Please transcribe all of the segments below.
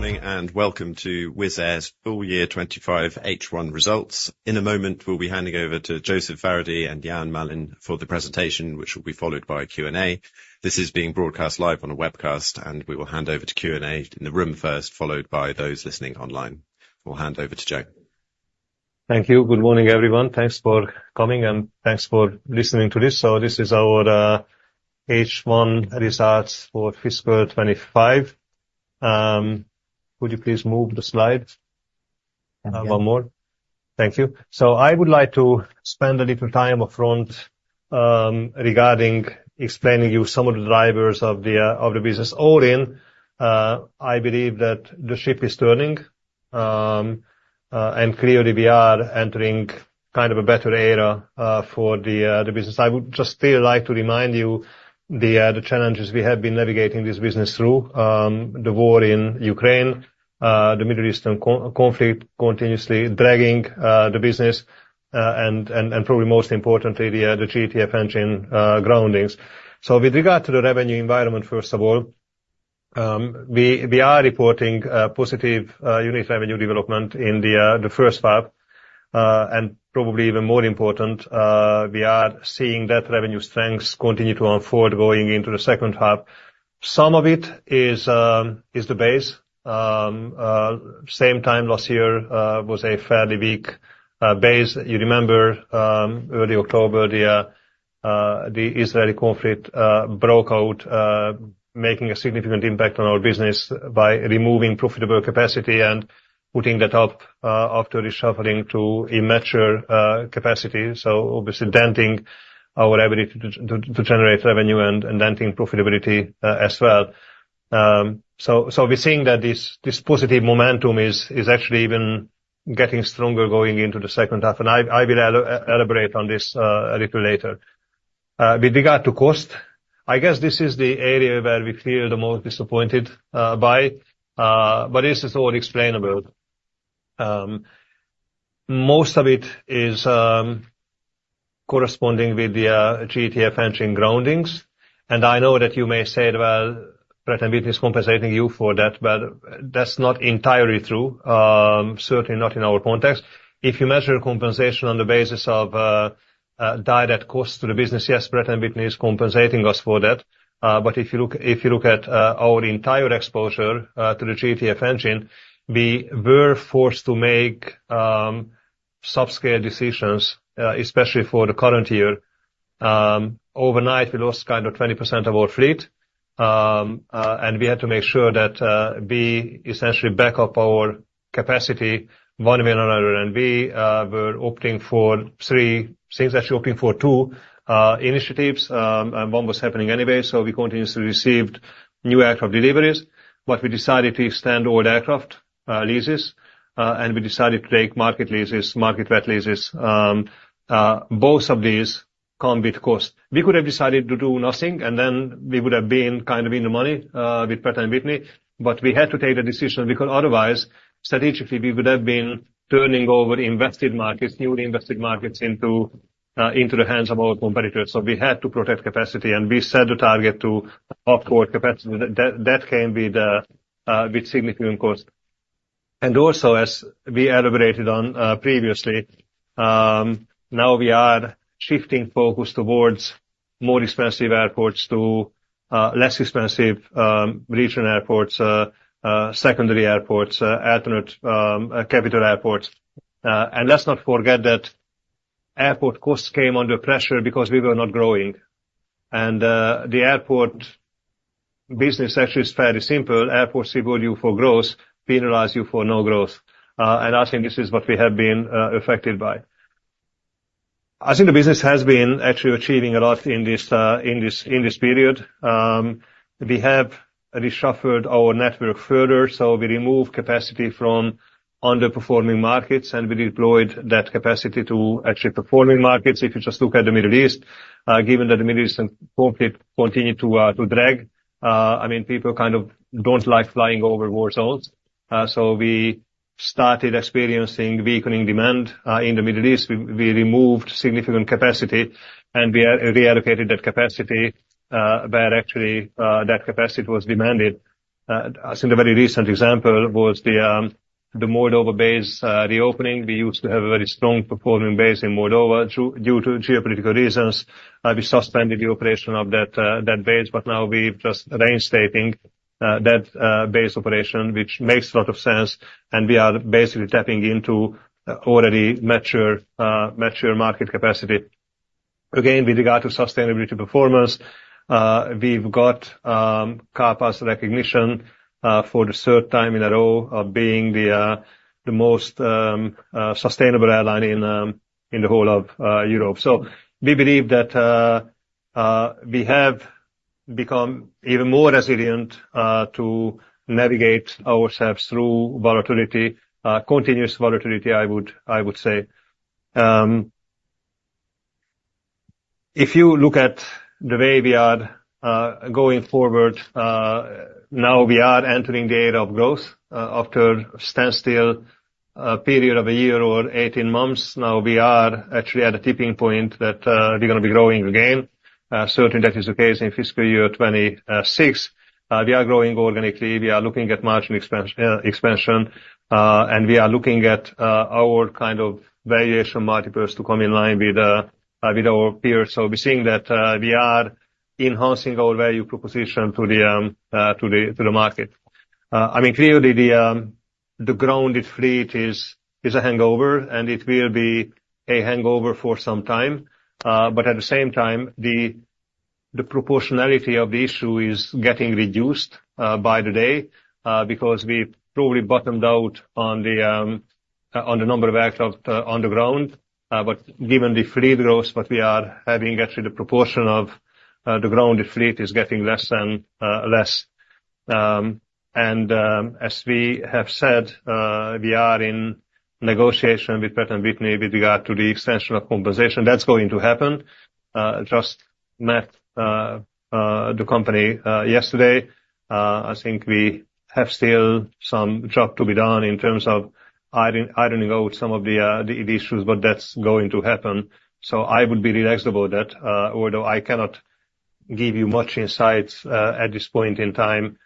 Good morning and welcome to Wizz Air's full year 25 H1 results. In a moment, we'll be handing over to József Váradi and Ian Malin for the presentation, which will be followed by Qand A. This is being broadcast live on a webcast, and we will hand over to Q and A in the room first, followed by those listening online. We'll hand over to Joe. Thank you. Good morning, everyone. Thanks for coming, and thanks for listening to this. So this is our H1 results for fiscal 2025. Would you please move the slide? One more. Thank you. So I would like to spend a little time upfront regarding explaining to you some of the drivers of the business. All in, I believe that the ship is turning, and clearly we are entering kind of a better era for the business. I would just still like to remind you the challenges we have been navigating this business through: the war in Ukraine, the Middle Eastern conflict continuously dragging the business, and probably most importantly, the GTF engine groundings. So with regard to the revenue environment, first of all, we are reporting positive unit revenue development in the first half. And probably even more important, we are seeing that revenue strengths continue to unfold going into the second half. Some of it is the base. Same time last year was a fairly weak base. You remember early October, the Israeli conflict broke out, making a significant impact on our business by removing profitable capacity and putting that up after reshuffling to immature capacity. So obviously denting our ability to generate revenue and denting profitability as well. So we're seeing that this positive momentum is actually even getting stronger going into the second half. And I will elaborate on this a little later. With regard to cost, I guess this is the area where we feel the most disappointed by, but this is all explainable. Most of it is corresponding with the GTF engine groundings. I know that you may say, well, Pratt & Whitney is compensating you for that, but that's not entirely true. Certainly not in our context. If you measure compensation on the basis of direct cost to the business, yes, Pratt & Whitney is compensating us for that. But if you look at our entire exposure to the GTF engine, we were forced to make subscale decisions, especially for the current year. Overnight, we lost kind of 20% of our fleet, and we had to make sure that we essentially back up our capacity one way or another. We were opting for three things that we opted for, two initiatives, and one was happening anyway. We continuously received new aircraft deliveries, but we decided to extend all the aircraft leases, and we decided to take market leases, market rate leases. Both of these come with cost. We could have decided to do nothing, and then we would have been kind of in the money with Pratt & Whitney. But we had to take the decision because otherwise, strategically, we would have been turning over invested markets, newly invested markets into the hands of our competitors. So we had to protect capacity, and we set the target to upward capacity. That came with significant cost. And also, as we elaborated on previously, now we are shifting focus towards more expensive airports to less expensive regional airports, secondary airports, alternate capital airports. And let's not forget that airport costs came under pressure because we were not growing. And the airport business actually is fairly simple. Airports will grow for growth, penalize you for no growth. And I think this is what we have been affected by. I think the business has been actually achieving a lot in this period. We have reshuffled our network further. So we removed capacity from underperforming markets, and we deployed that capacity to actually performing markets. If you just look at the Middle East, given that the Middle East continued to drag, I mean, people kind of don't like flying over war zones. So we started experiencing weakening demand in the Middle East. We removed significant capacity, and we reallocated that capacity where actually that capacity was demanded. I think the very recent example was the Moldova base reopening. We used to have a very strong performing base in Moldova due to geopolitical reasons. We suspended the operation of that base, but now we've just reinstated that base operation, which makes a lot of sense, and we are basically tapping into already mature market capacity. Again, with regard to sustainability performance, we've got CAPA recognition for the third time in a row of being the most sustainable airline in the whole of Europe. So we believe that we have become even more resilient to navigate ourselves through volatility, continuous volatility, I would say. If you look at the way we are going forward, now we are entering the era of growth after a standstill period of a year or 18 months. Now we are actually at a tipping point that we're going to be growing again. Certainly that is the case in fiscal year 2026. We are growing organically. We are looking at margin expansion, and we are looking at our kind of valuation multiples to come in line with our peers. So we're seeing that we are enhancing our value proposition to the market. I mean, clearly the grounded fleet is a hangover, and it will be a hangover for some time. But at the same time, the proportionality of the issue is getting reduced by the day because we probably bottomed out on the number of aircraft on the ground. But given the fleet growth, what we are having, actually, the proportion of the grounded fleet is getting less and less. And as we have said, we are in negotiation with Pratt & Whitney with regard to the extension of compensation. That's going to happen. Just met the company yesterday. I think we have still some job to be done in terms of ironing out some of the issues, but that's going to happen. So I would be relaxed about that, although I cannot give you much insight at this point in time,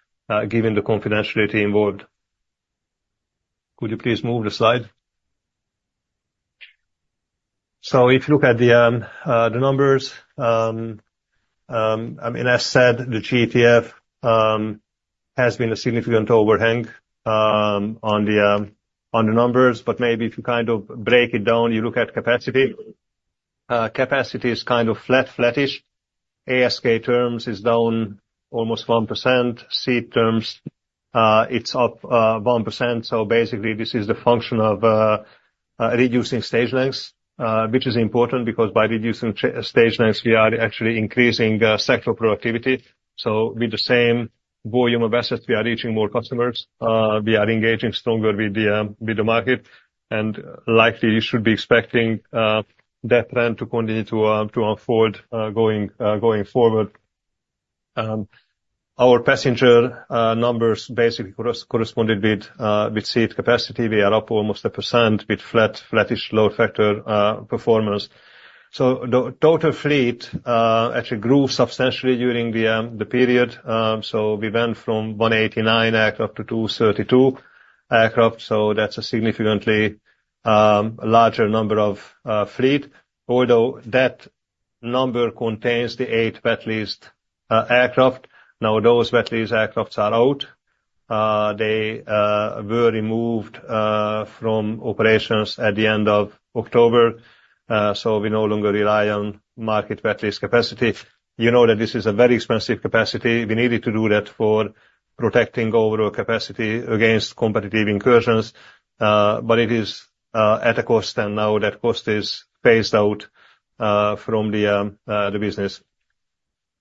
given the confidentiality involved. Could you please move the slide? So if you look at the numbers, I mean, as said, the GTF has been a significant overhang on the numbers. But maybe if you kind of break it down, you look at capacity. Capacity is kind of flat, flattish. ASK terms is down almost 1%. Seat terms, it's up 1%. So basically, this is the function of reducing stage lengths, which is important because by reducing stage lengths, we are actually increasing sector productivity. So with the same volume of assets, we are reaching more customers. We are engaging stronger with the market. And likely, you should be expecting that trend to continue to unfold going forward. Our passenger numbers basically corresponded with seat capacity. We are up almost 1% with flat, flattish, load factor performance. So the total fleet actually grew substantially during the period. So we went from 189 aircraft-232 aircraft. That's a significantly larger number of fleet. Although that number contains the eight wet lease aircraft. Now, those wet lease aircraft are out. They were removed from operations at the end of October. We no longer rely on wet lease capacity. You know that this is a very expensive capacity. We needed to do that for protecting overall capacity against competitive incursions. But it is at a cost. And now that cost is phased out from the business.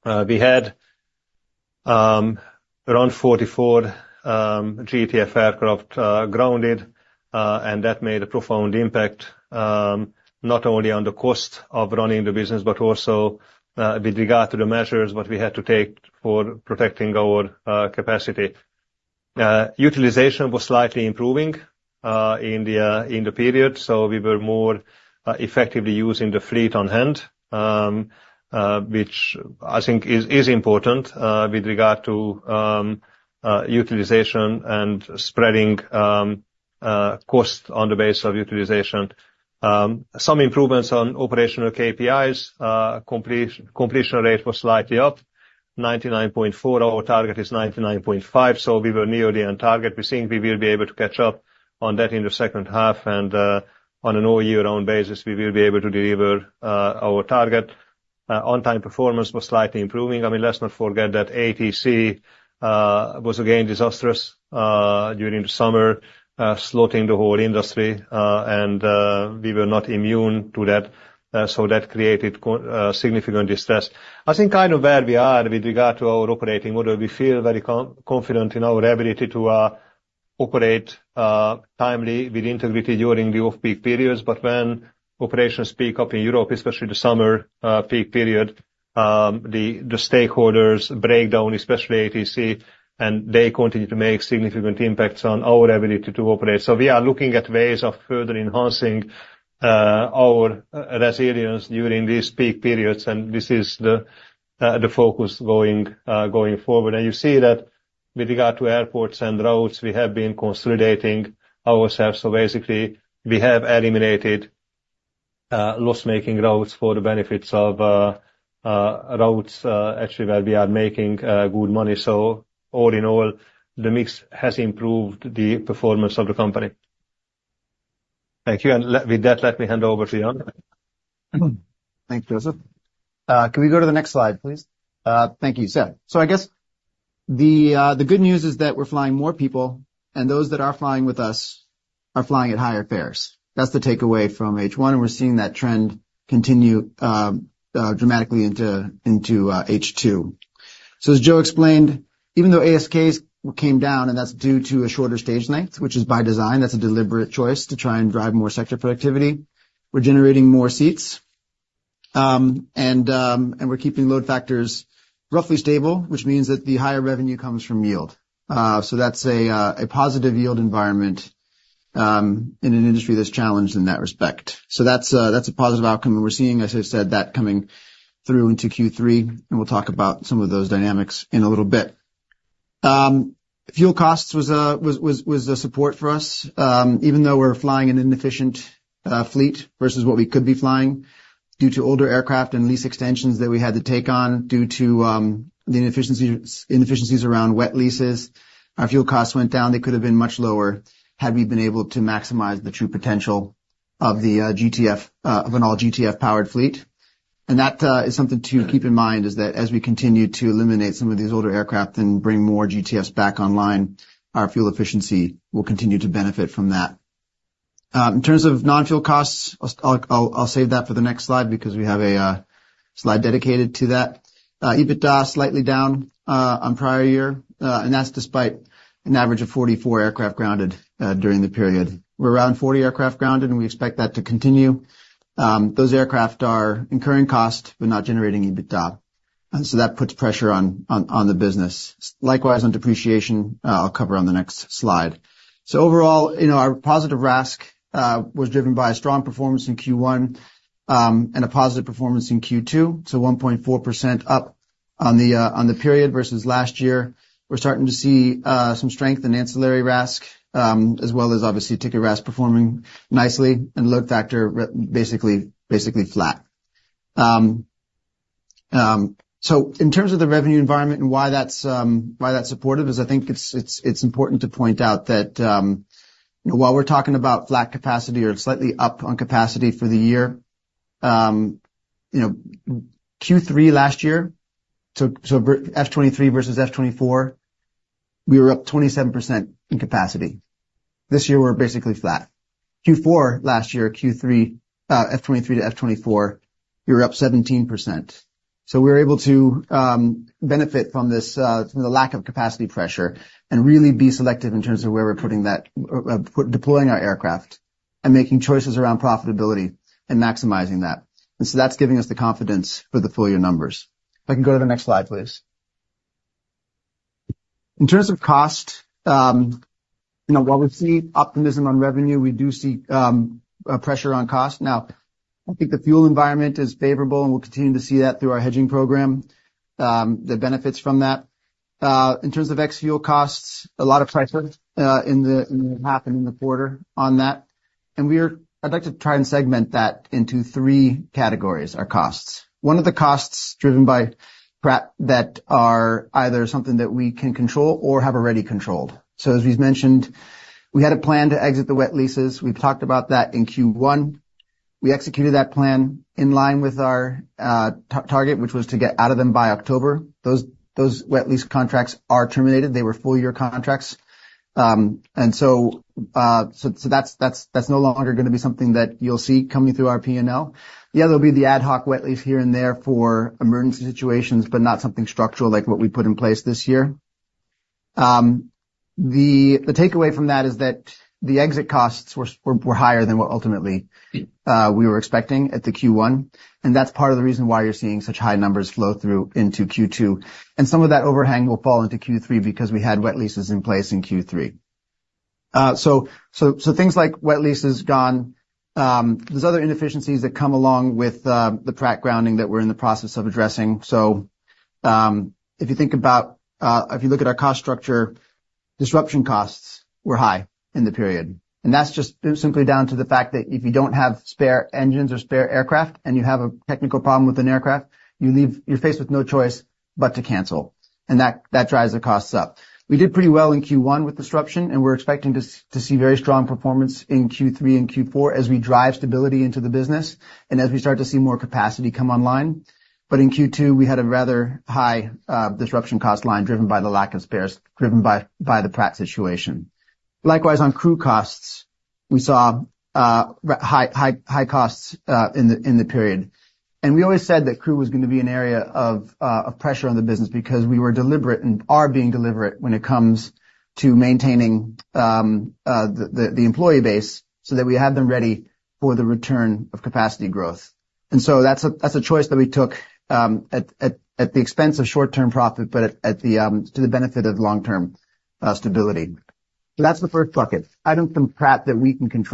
We had around 44 GTF aircraft grounded, and that made a profound impact not only on the cost of running the business, but also with regard to the measures that we had to take for protecting our capacity. Utilization was slightly improving in the period. We were more effectively using the fleet on hand, which I think is important with regard to utilization and spreading cost on the base of utilization. Some improvements on operational KPIs. Completion rate was slightly up, 99.4%. Our target is 99.5%, so we were near the end target. We think we will be able to catch up on that in the second half, and on an all-year-round basis, we will be able to deliver our target. On-time performance was slightly improving. I mean, let's not forget that ATC was again disastrous during the summer, slotting the whole industry, and we were not immune to that, so that created significant distress. I think kind of where we are with regard to our operating model, we feel very confident in our ability to operate timely with integrity during the off-peak periods, but when operations pick up in Europe, especially the summer peak period, the stakeholders break down, especially ATC, and they continue to make significant impacts on our ability to operate. So we are looking at ways of further enhancing our resilience during these peak periods. And this is the focus going forward. And you see that with regard to airports and routes, we have been consolidating ourselves. So basically, we have eliminated loss-making routes for the benefits of routes actually where we are making good money. So all in all, the mix has improved the performance of the company. Thank you. And with that, let me hand over to Ian. Thanks, József. Can we go to the next slide, please? Thank you. So I guess the good news is that we're flying more people, and those that are flying with us are flying at higher fares. That's the takeaway from H1. And we're seeing that trend continue dramatically into H2. So as Joe explained, even though ASKs came down, and that's due to a shorter stage length, which is by design, that's a deliberate choice to try and drive more sector productivity. We're generating more seats, and we're keeping load factors roughly stable, which means that the higher revenue comes from yield. So that's a positive yield environment in an industry that's challenged in that respect. So that's a positive outcome. And we're seeing, as I said, that coming through into Q3. And we'll talk about some of those dynamics in a little bit. Fuel costs was a support for us, even though we're flying an inefficient fleet versus what we could be flying due to older aircraft and lease extensions that we had to take on due to the inefficiencies around wet leases. Our fuel costs went down. They could have been much lower had we been able to maximize the true potential of an all-GTF-powered fleet. And that is something to keep in mind, is that as we continue to eliminate some of these older aircraft and bring more GTFs back online, our fuel efficiency will continue to benefit from that. In terms of non-fuel costs, I'll save that for the next slide because we have a slide dedicated to that. EBITDA slightly down on prior year. And that's despite an average of 44 aircraft grounded during the period. We're around 40 aircraft grounded, and we expect that to continue. Those aircraft are incurring cost, but not generating EBITDA. And so that puts pressure on the business. Likewise, on depreciation, I'll cover on the next slide. So overall, our positive RASC was driven by a strong performance in Q1 and a positive performance in Q2. 1.4% up on the period versus last year. We're starting to see some strength in ancillary RASC, as well as obviously ticket RASC performing nicely and load factor basically flat. In terms of the revenue environment and why that's supportive, I think it's important to point out that while we're talking about flat capacity or slightly up on capacity for the year, Q3 last year, so F2023 versus F2024, we were up 27% in capacity. This year, we're basically flat. Q4 last year, F2023- F2024, we were up 17%. We were able to benefit from the lack of capacity pressure and really be selective in terms of where we're deploying our aircraft and making choices around profitability and maximizing that. That's giving us the confidence for the full year numbers. If I can go to the next slide, please. In terms of cost, while we see optimism on revenue, we do see pressure on cost. Now, I think the fuel environment is favorable, and we'll continue to see that through our hedging program, the benefits from that. In terms of ex-fuel costs, a lot of pressure happened in the quarter on that. And I'd like to try and segment that into three categories, our costs. One of the costs driven by that are either something that we can control or have already controlled. So as we've mentioned, we had a plan to exit the wet leases. We've talked about that in Q1. We executed that plan in line with our target, which was to get out of them by October. Those wet lease contracts are terminated. They were full-year contracts. And so that's no longer going to be something that you'll see coming through our P&L. Yeah, there'll be the ad hoc wet lease here and there for emergency situations, but not something structural like what we put in place this year. The takeaway from that is that the exit costs were higher than what ultimately we were expecting at the Q1. And that's part of the reason why you're seeing such high numbers flow through into Q2. And some of that overhang will fall into Q3 because we had wet leases in place in Q3. So things like wet leases gone. There's other inefficiencies that come along with the Pratt grounding that we're in the process of addressing. So if you think about if you look at our cost structure, disruption costs were high in the period. That's just simply down to the fact that if you don't have spare engines or spare aircraft and you have a technical problem with an aircraft, you're faced with no choice but to cancel. That drives the costs up. We did pretty well in Q1 with disruption, and we're expecting to see very strong performance in Q3 and Q4 as we drive stability into the business and as we start to see more capacity come online. In Q2, we had a rather high disruption cost line driven by the lack of spares driven by the Pratt situation. Likewise, on crew costs, we saw high costs in the period. And we always said that crew was going to be an area of pressure on the business because we were deliberate and are being deliberate when it comes to maintaining the employee base so that we have them ready for the return of capacity growth. And so that's a choice that we took at the expense of short-term profit, but to the benefit of long-term stability. So that's the first bucket. Items in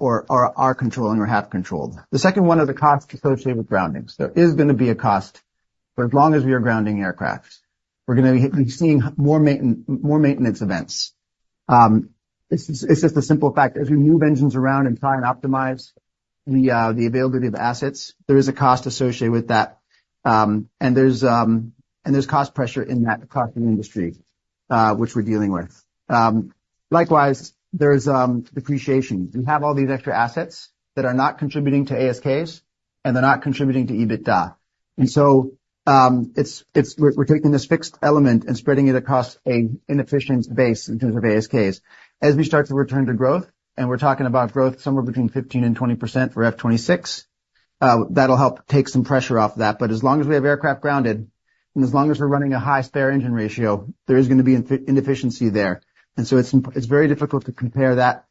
or are controlling or have controlled. The second one are the costs associated with grounding. So there is going to be a cost for as long as we are grounding aircraft. We're going to be seeing more maintenance events. It's just a simple fact. As we move engines around and try and optimize the availability of assets, there is a cost associated with that. And there's cost pressure in that across the industry, which we're dealing with. Likewise, there's depreciation. We have all these extra assets that are not contributing to ASKs, and they're not contributing to EBITDA. And so we're taking this fixed element and spreading it across an inefficient base in terms of ASKs. As we start to return to growth, and we're talking about growth somewhere between 15%-20% for F2026, that'll help take some pressure off that. But as long as we have aircraft grounded and as long as we're running a high spare engine ratio, there is going to be inefficiency there. And so it's very difficult to compare that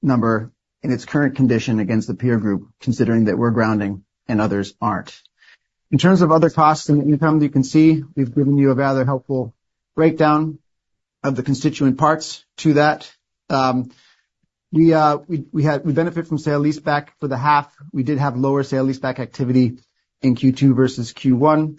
number in its current condition against the peer group, considering that we're grounding and others aren't. In terms of other costs and income that you can see, we've given you a rather helpful breakdown of the constituent parts to that. We benefit from sale leaseback for the half. We did have lower sale leaseback activity in Q2 versus Q1.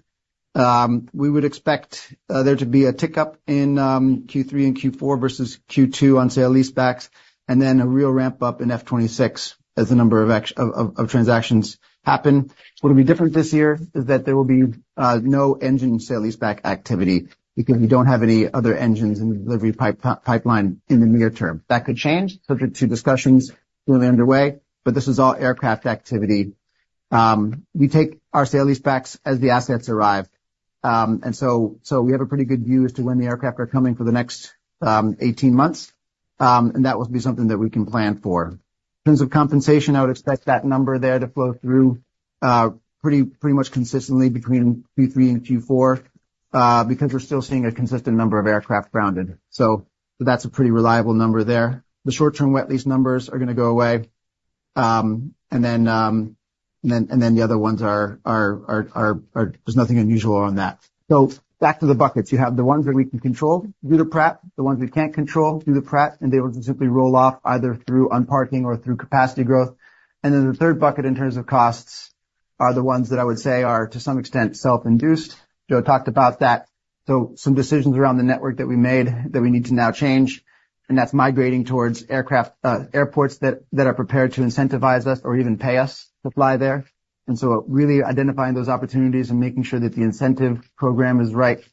We would expect there to be a tick up in Q3 and Q4 versus Q2 on sale leasebacks, and then a real ramp up in F2026 as the number of transactions happen. What will be different this year is that there will be no engine sale leaseback activity because we don't have any other engines in the delivery pipeline in the near term. That could change. Subject to discussions already underway. But this is all aircraft activity. We take our sale leasebacks as the assets arrive. And so we have a pretty good view as to when the aircraft are coming for the next 18 months. That will be something that we can plan for. In terms of compensation, I would expect that number there to flow through pretty much consistently between Q3 and Q4 because we're still seeing a consistent number of aircraft grounded. So that's a pretty reliable number there. The short-term wet lease numbers are going to go away. And then the other ones are; there's nothing unusual on that. So back to the buckets. You have the ones that we can control due to Pratt, the ones we can't control due to Pratt, and they will simply roll off either through unparking or through capacity growth. And then the third bucket in terms of costs are the ones that I would say are to some extent self-induced. Joe talked about that. So some decisions around the network that we made that we need to now change. And that's migrating towards airports that are prepared to incentivize us or even pay us to fly there. And so really identifying those opportunities and making sure that the incentive program is right.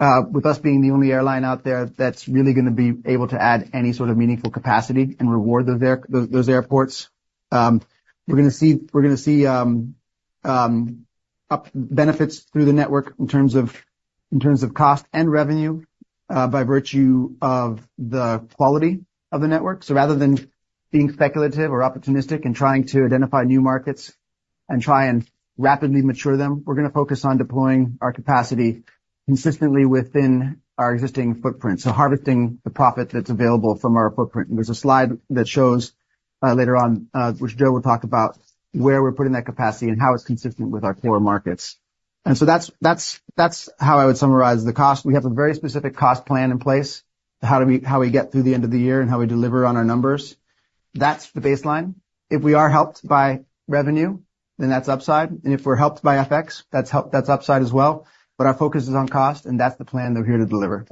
With us being the only airline out there that's really going to be able to add any sort of meaningful capacity and reward those airports, we're going to see benefits through the network in terms of cost and revenue by virtue of the quality of the network. So rather than being speculative or opportunistic and trying to identify new markets and try and rapidly mature them, we're going to focus on deploying our capacity consistently within our existing footprint, so harvesting the profit that's available from our footprint. There's a slide that shows later on, which Joe will talk about, where we're putting that capacity and how it's consistent with our core markets. And so that's how I would summarize the cost. We have a very specific cost plan in place, how we get through the end of the year and how we deliver on our numbers. That's the baseline. If we are helped by revenue, then that's upside. And if we're helped by FX, that's upside as well. But our focus is on cost, and that's the plan that we're here to deliver.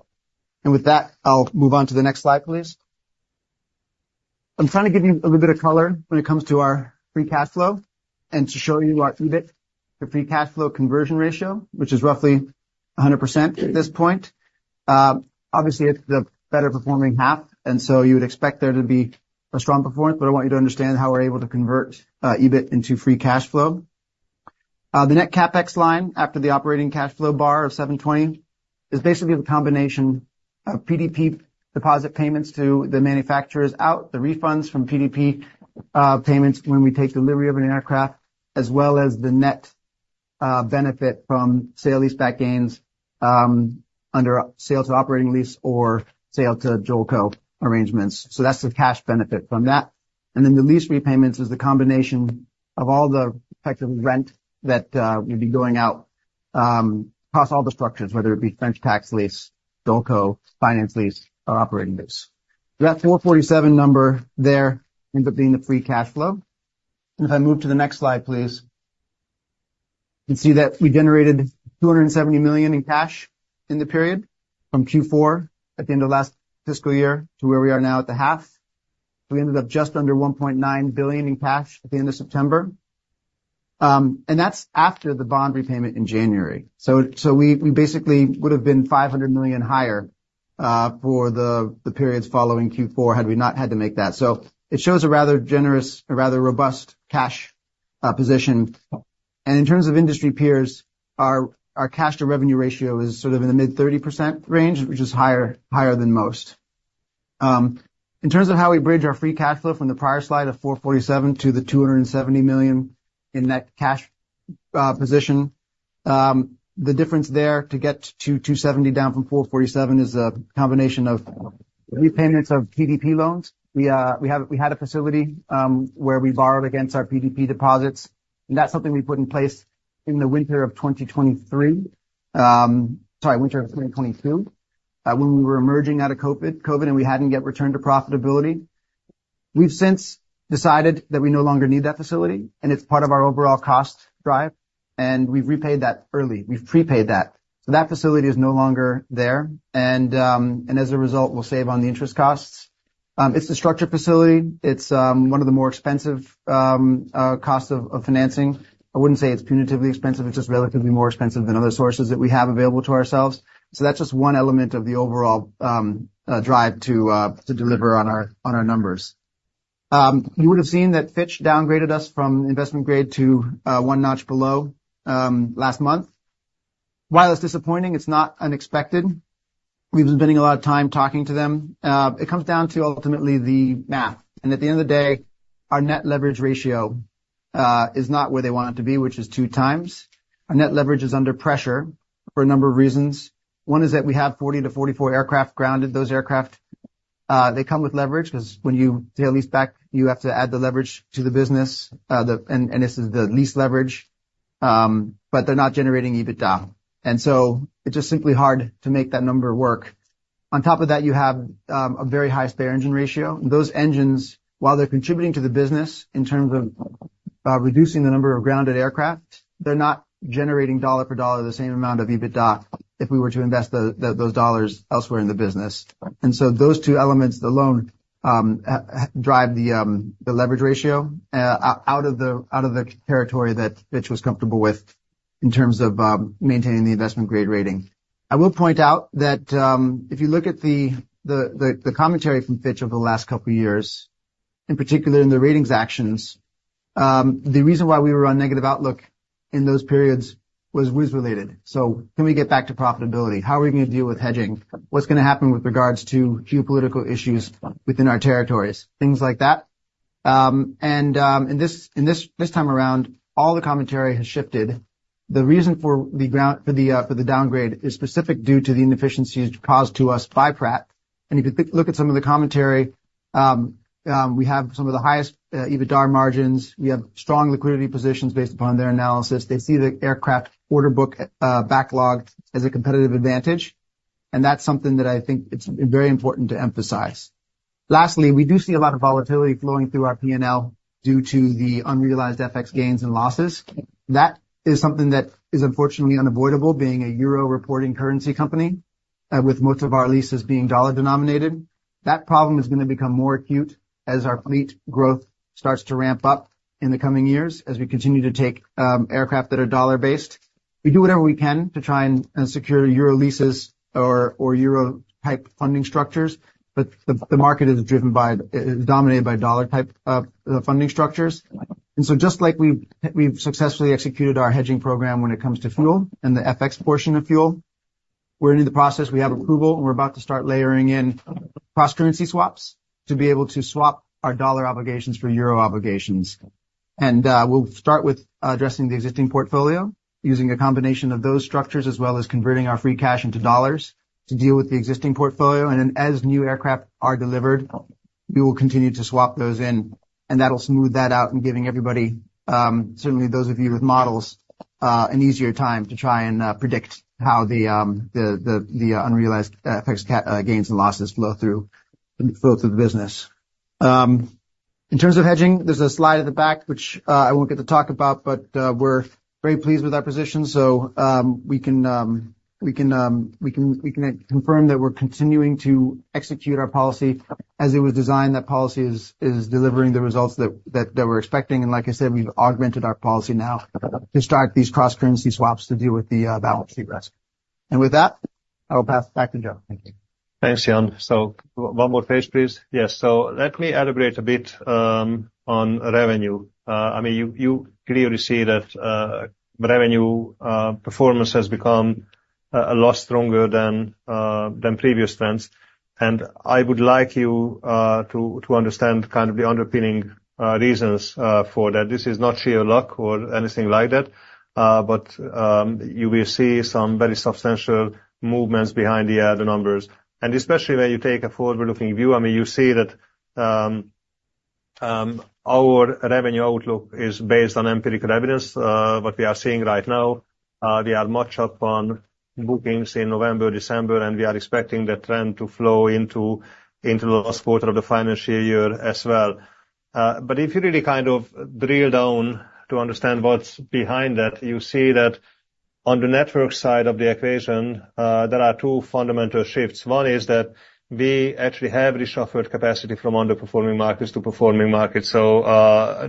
And with that, I'll move on to the next slide, please. I'm trying to give you a little bit of color when it comes to our free cash flow and to show you our EBIT, the free cash flow conversion ratio, which is roughly 100% at this point. Obviously, it's the better-performing half. And so you would expect there to be a strong performance. But I want you to understand how we're able to convert EBIT into free cash flow. The net CapEx line after the operating cash flow bar of 720 is basically the combination of PDP deposit payments to the manufacturers out, the refunds from PDP payments when we take delivery of an aircraft, as well as the net benefit from sale leaseback gains under sale to operating lease or sale to JOLCO arrangements. So that's the cash benefit from that. And then the lease repayments is the combination of all the effective rent that would be going out across all the structures, whether it be French tax lease, JOLCO, finance lease, or operating lease. That 4.7 number there ends up being the free cash flow. If I move to the next slide, please, you can see that we generated 270 million in cash in the period from Q4 at the end of last fiscal year to where we are now at the half. We ended up just under 1.9 billion in cash at the end of September. That's after the bond repayment in January. We basically would have been 500 million higher for the periods following Q4 had we not had to make that. It shows a rather generous, a rather robust cash position. In terms of industry peers, our cash-to-revenue ratio is sort of in the mid-30% range, which is higher than most. In terms of how we bridge our free cash flow from the prior slide of 447 million to the 270 million in net cash position, the difference there to get to 270 down from 447 is a combination of repayments of PDP loans. We had a facility where we borrowed against our PDP deposits. And that's something we put in place in the winter of 2023, sorry, winter of 2022, when we were emerging out of COVID, and we hadn't yet returned to profitability. We've since decided that we no longer need that facility, and it's part of our overall cost drive. And we've repaid that early. We've prepaid that. So that facility is no longer there. And as a result, we'll save on the interest costs. It's a structured facility. It's one of the more expensive costs of financing. I wouldn't say it's punitively expensive. It's just relatively more expensive than other sources that we have available to ourselves. So that's just one element of the overall drive to deliver on our numbers. You would have seen that Fitch downgraded us from investment grade to one notch below last month. While it's disappointing, it's not unexpected. We've been spending a lot of time talking to them. It comes down to ultimately the math. At the end of the day, our net leverage ratio is not where they want it to be, which is two times. Our net leverage is under pressure for a number of reasons. One is that we have 40-44 aircraft grounded. Those aircraft, they come with leverage because when you sale and leaseback, you have to add the leverage to the business. This is the lease leverage. But they're not generating EBITDA. And so it's just simply hard to make that number work. On top of that, you have a very high spare engine ratio. And those engines, while they're contributing to the business in terms of reducing the number of grounded aircraft, they're not generating dollar for dollar the same amount of EBITDA if we were to invest those dollars elsewhere in the business. And so those two elements alone drive the leverage ratio out of the territory that Fitch was comfortable with in terms of maintaining the investment grade rating. I will point out that if you look at the commentary from Fitch over the last couple of years, in particular in the ratings actions, the reason why we were on negative outlook in those periods was Wizz related. So can we get back to profitability? How are we going to deal with hedging? What's going to happen with regards to geopolitical issues within our territories? Things like that. This time around, all the commentary has shifted. The reason for the downgrade is specific due to the inefficiencies caused to us by Pratt & Whitney. If you look at some of the commentary, we have some of the highest EBITDA margins. We have strong liquidity positions based upon their analysis. They see the aircraft order book backlog as a competitive advantage. That's something that I think it's very important to emphasize. Lastly, we do see a lot of volatility flowing through our P&L due to the unrealized FX gains and losses. That is something that is unfortunately unavoidable being a euro reporting currency company with most of our leases being dollar denominated. That problem is going to become more acute as our fleet growth starts to ramp up in the coming years as we continue to take aircraft that are dollar-based. We do whatever we can to try and secure euro leases or euro type funding structures, but the market is dominated by dollar type funding structures, and so just like we've successfully executed our hedging program when it comes to fuel and the FX portion of fuel, we're in the process. We have approval, and we're about to start layering in cross-currency swaps to be able to swap our dollar obligations for euro obligations, and we'll start with addressing the existing portfolio using a combination of those structures as well as converting our free cash into dollars to deal with the existing portfolio, and then as new aircraft are delivered, we will continue to swap those in. That'll smooth that out and giving everybody, certainly those of you with models, an easier time to try and predict how the unrealized FX gains and losses flow through the business. In terms of hedging, there's a slide at the back, which I won't get to talk about, but we're very pleased with our position. So we can confirm that we're continuing to execute our policy as it was designed. That policy is delivering the results that we're expecting. And like I said, we've augmented our policy now to start these cross-currency swaps to deal with the balance sheet risk. And with that, I will pass back to Joe. Thank you. Thanks, Ian. So one more page, please. Yes. So let me elaborate a bit on revenue. I mean, you clearly see that revenue performance has become a lot stronger than previous trends. I would like you to understand kind of the underpinning reasons for that. This is not sheer luck or anything like that. You will see some very substantial movements behind the other numbers. Especially when you take a forward-looking view, I mean, you see that our revenue outlook is based on empirical evidence. What we are seeing right now, we are much up on bookings in November, December, and we are expecting that trend to flow into the last quarter of the financial year as well. If you really kind of drill down to understand what's behind that, you see that on the network side of the equation, there are two fundamental shifts. One is that we actually have reshuffled capacity from underperforming markets to performing markets. So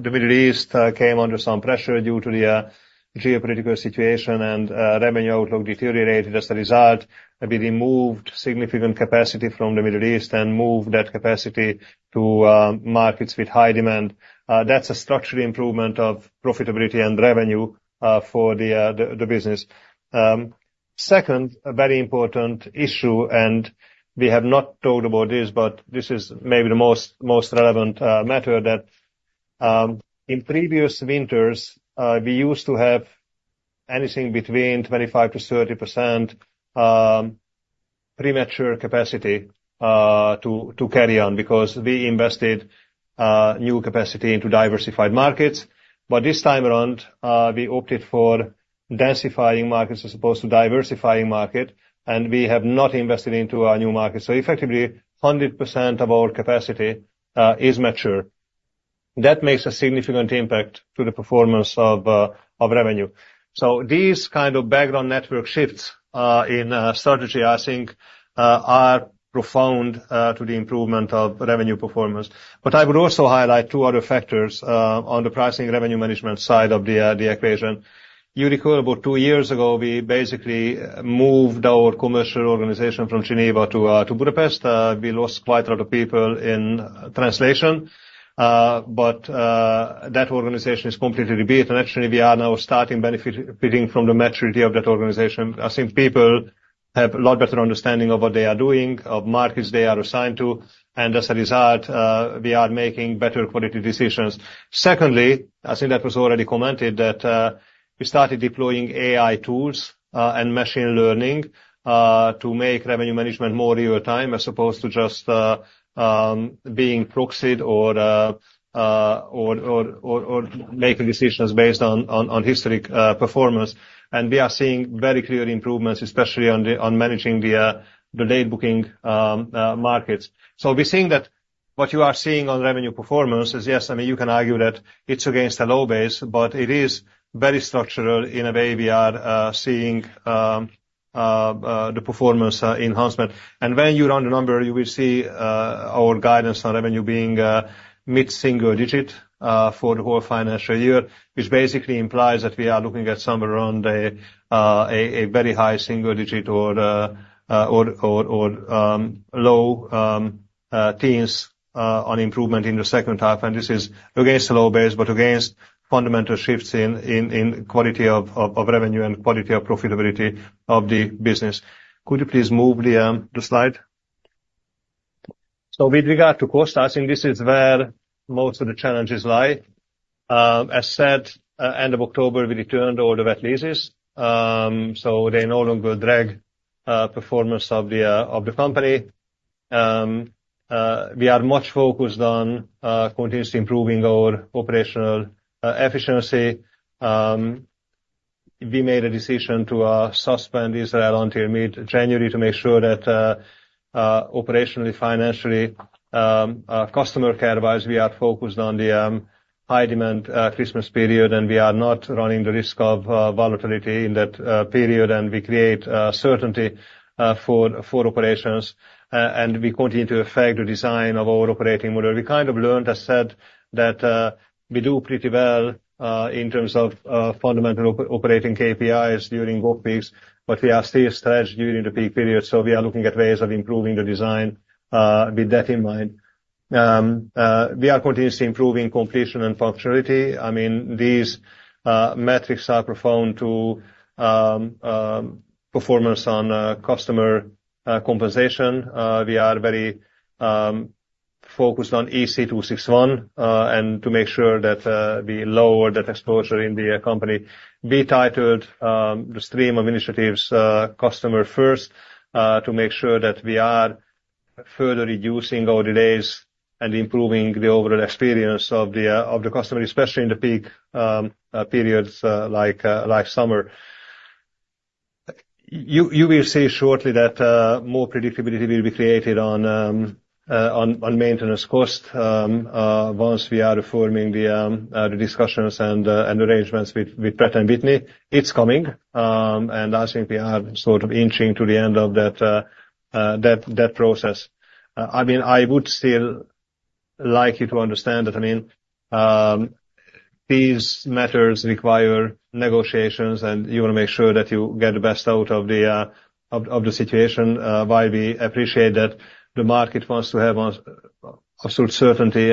the Middle East came under some pressure due to the geopolitical situation, and revenue outlook deteriorated as a result. We removed significant capacity from the Middle East and moved that capacity to markets with high demand. That's a structural improvement of profitability and revenue for the business. Second, a very important issue, and we have not talked about this, but this is maybe the most relevant matter that in previous winters, we used to have anything between 25%-30% premature capacity to carry on because we invested new capacity into diversified markets. But this time around, we opted for densifying markets as opposed to diversifying markets, and we have not invested into our new markets. So effectively, 100% of our capacity is mature. That makes a significant impact to the performance of revenue. These kind of background network shifts in strategy, I think, are profound to the improvement of revenue performance. I would also highlight two other factors on the pricing revenue management side of the equation. You recall about two years ago, we basically moved our commercial organization from Geneva to Budapest. We lost quite a lot of people in translation. That organization is completely rebuilt. Actually, we are now starting benefiting from the maturity of that organization. I think people have a lot better understanding of what they are doing, of markets they are assigned to. As a result, we are making better quality decisions. Secondly, I think that was already commented that we started deploying AI tools and machine learning to make revenue management more real-time as opposed to just being proxied or making decisions based on historic performance. We are seeing very clear improvements, especially on managing the late booking markets. We're seeing that what you are seeing on revenue performance is, yes, I mean, you can argue that it's against a low base, but it is very structural in a way we are seeing the performance enhancement. When you run the number, you will see our guidance on revenue being mid-single digit for the whole financial year, which basically implies that we are looking at somewhere around a very high single digit or low teens on improvement in the second half. This is against a low base, but against fundamental shifts in quality of revenue and quality of profitability of the business. Could you please move the slide? With regard to cost, I think this is where most of the challenges lie. As said, end of October, we returned all the wet leases. So they no longer drag performance of the company. We are much focused on continuously improving our operational efficiency. We made a decision to suspend Israel until mid-January to make sure that operationally, financially, customer care-wise, we are focused on the high-demand Christmas period, and we are not running the risk of volatility in that period, and we create certainty for operations. And we continue to affect the design of our operating model. We kind of learned, as said, that we do pretty well in terms of fundamental operating KPIs during work weeks, but we are still stretched during the peak period. So we are looking at ways of improving the design with that in mind. We are continuously improving completion and functionality. I mean, these metrics are profound to performance on customer compensation. We are very focused on EC261 and to make sure that we lower that exposure in the company. We titled the stream of initiatives customer-first to make sure that we are further reducing our delays and improving the overall experience of the customer, especially in the peak periods like summer. You will see shortly that more predictability will be created on maintenance cost once we are affirming the discussions and arrangements with Pratt & Whitney. It's coming, and I think we are sort of inching to the end of that process. I mean, I would still like you to understand that, I mean, these matters require negotiations, and you want to make sure that you get the best out of the situation. While we appreciate that the market wants to have absolute certainty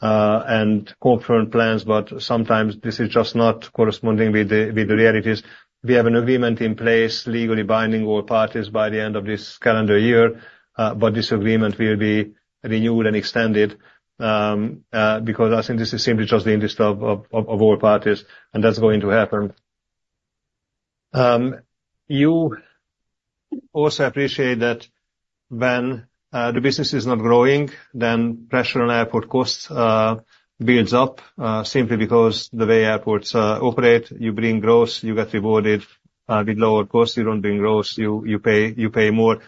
and confirmed plans but sometimes this is just not corresponding with the realities. We have an agreement in place legally binding all parties by the end of this calendar year. But this agreement will be renewed and extended because I think this is simply just the interest of all parties, and that's going to happen. You also appreciate that when the business is not growing, then pressure on airport costs builds up simply because the way airports operate, you bring growth, you get rewarded with lower costs. You don't bring growth, you pay more.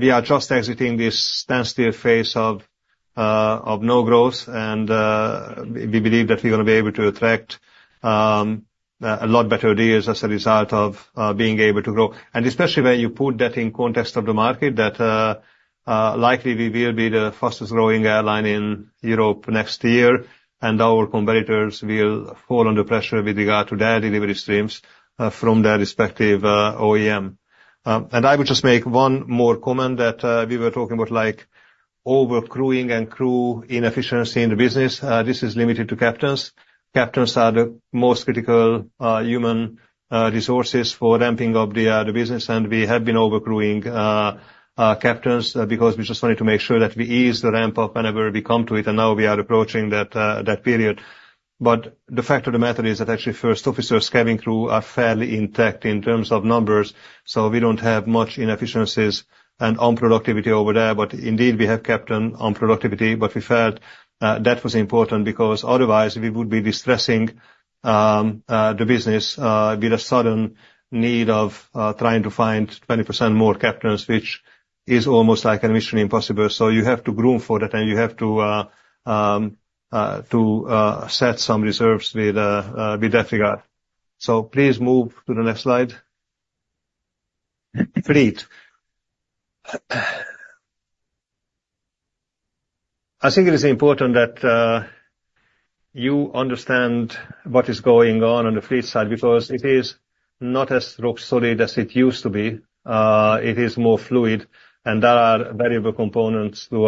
We are just exiting this tentative phase of no growth, and we believe that we're going to be able to attract a lot better deals as a result of being able to grow. And especially when you put that in the context of the market, that likely we will be the fastest growing airline in Europe next year, and our competitors will fall under pressure with regard to their delivery streams from their respective OEM. And I would just make one more comment that we were talking about overcrewing and crew inefficiency in the business. This is limited to captains. Captains are the most critical human resources for ramping up the business. And we have been overcrewing captains because we just wanted to make sure that we ease the ramp up whenever we come to it. And now we are approaching that period. But the fact of the matter is that actually first officers coming through are fairly intact in terms of numbers. So we don't have much inefficiencies and unproductivity over there. But indeed, we have captain unproductivity. But we felt that was important because otherwise we would be distressing the business with a sudden need of trying to find 20% more captains, which is almost like a mission impossible. So you have to groom for that, and you have to set some reserves with that regard. So please move to the next slide. Fleet. I think it is important that you understand what is going on on the fleet side because it is not as rock solid as it used to be. It is more fluid, and there are variable components to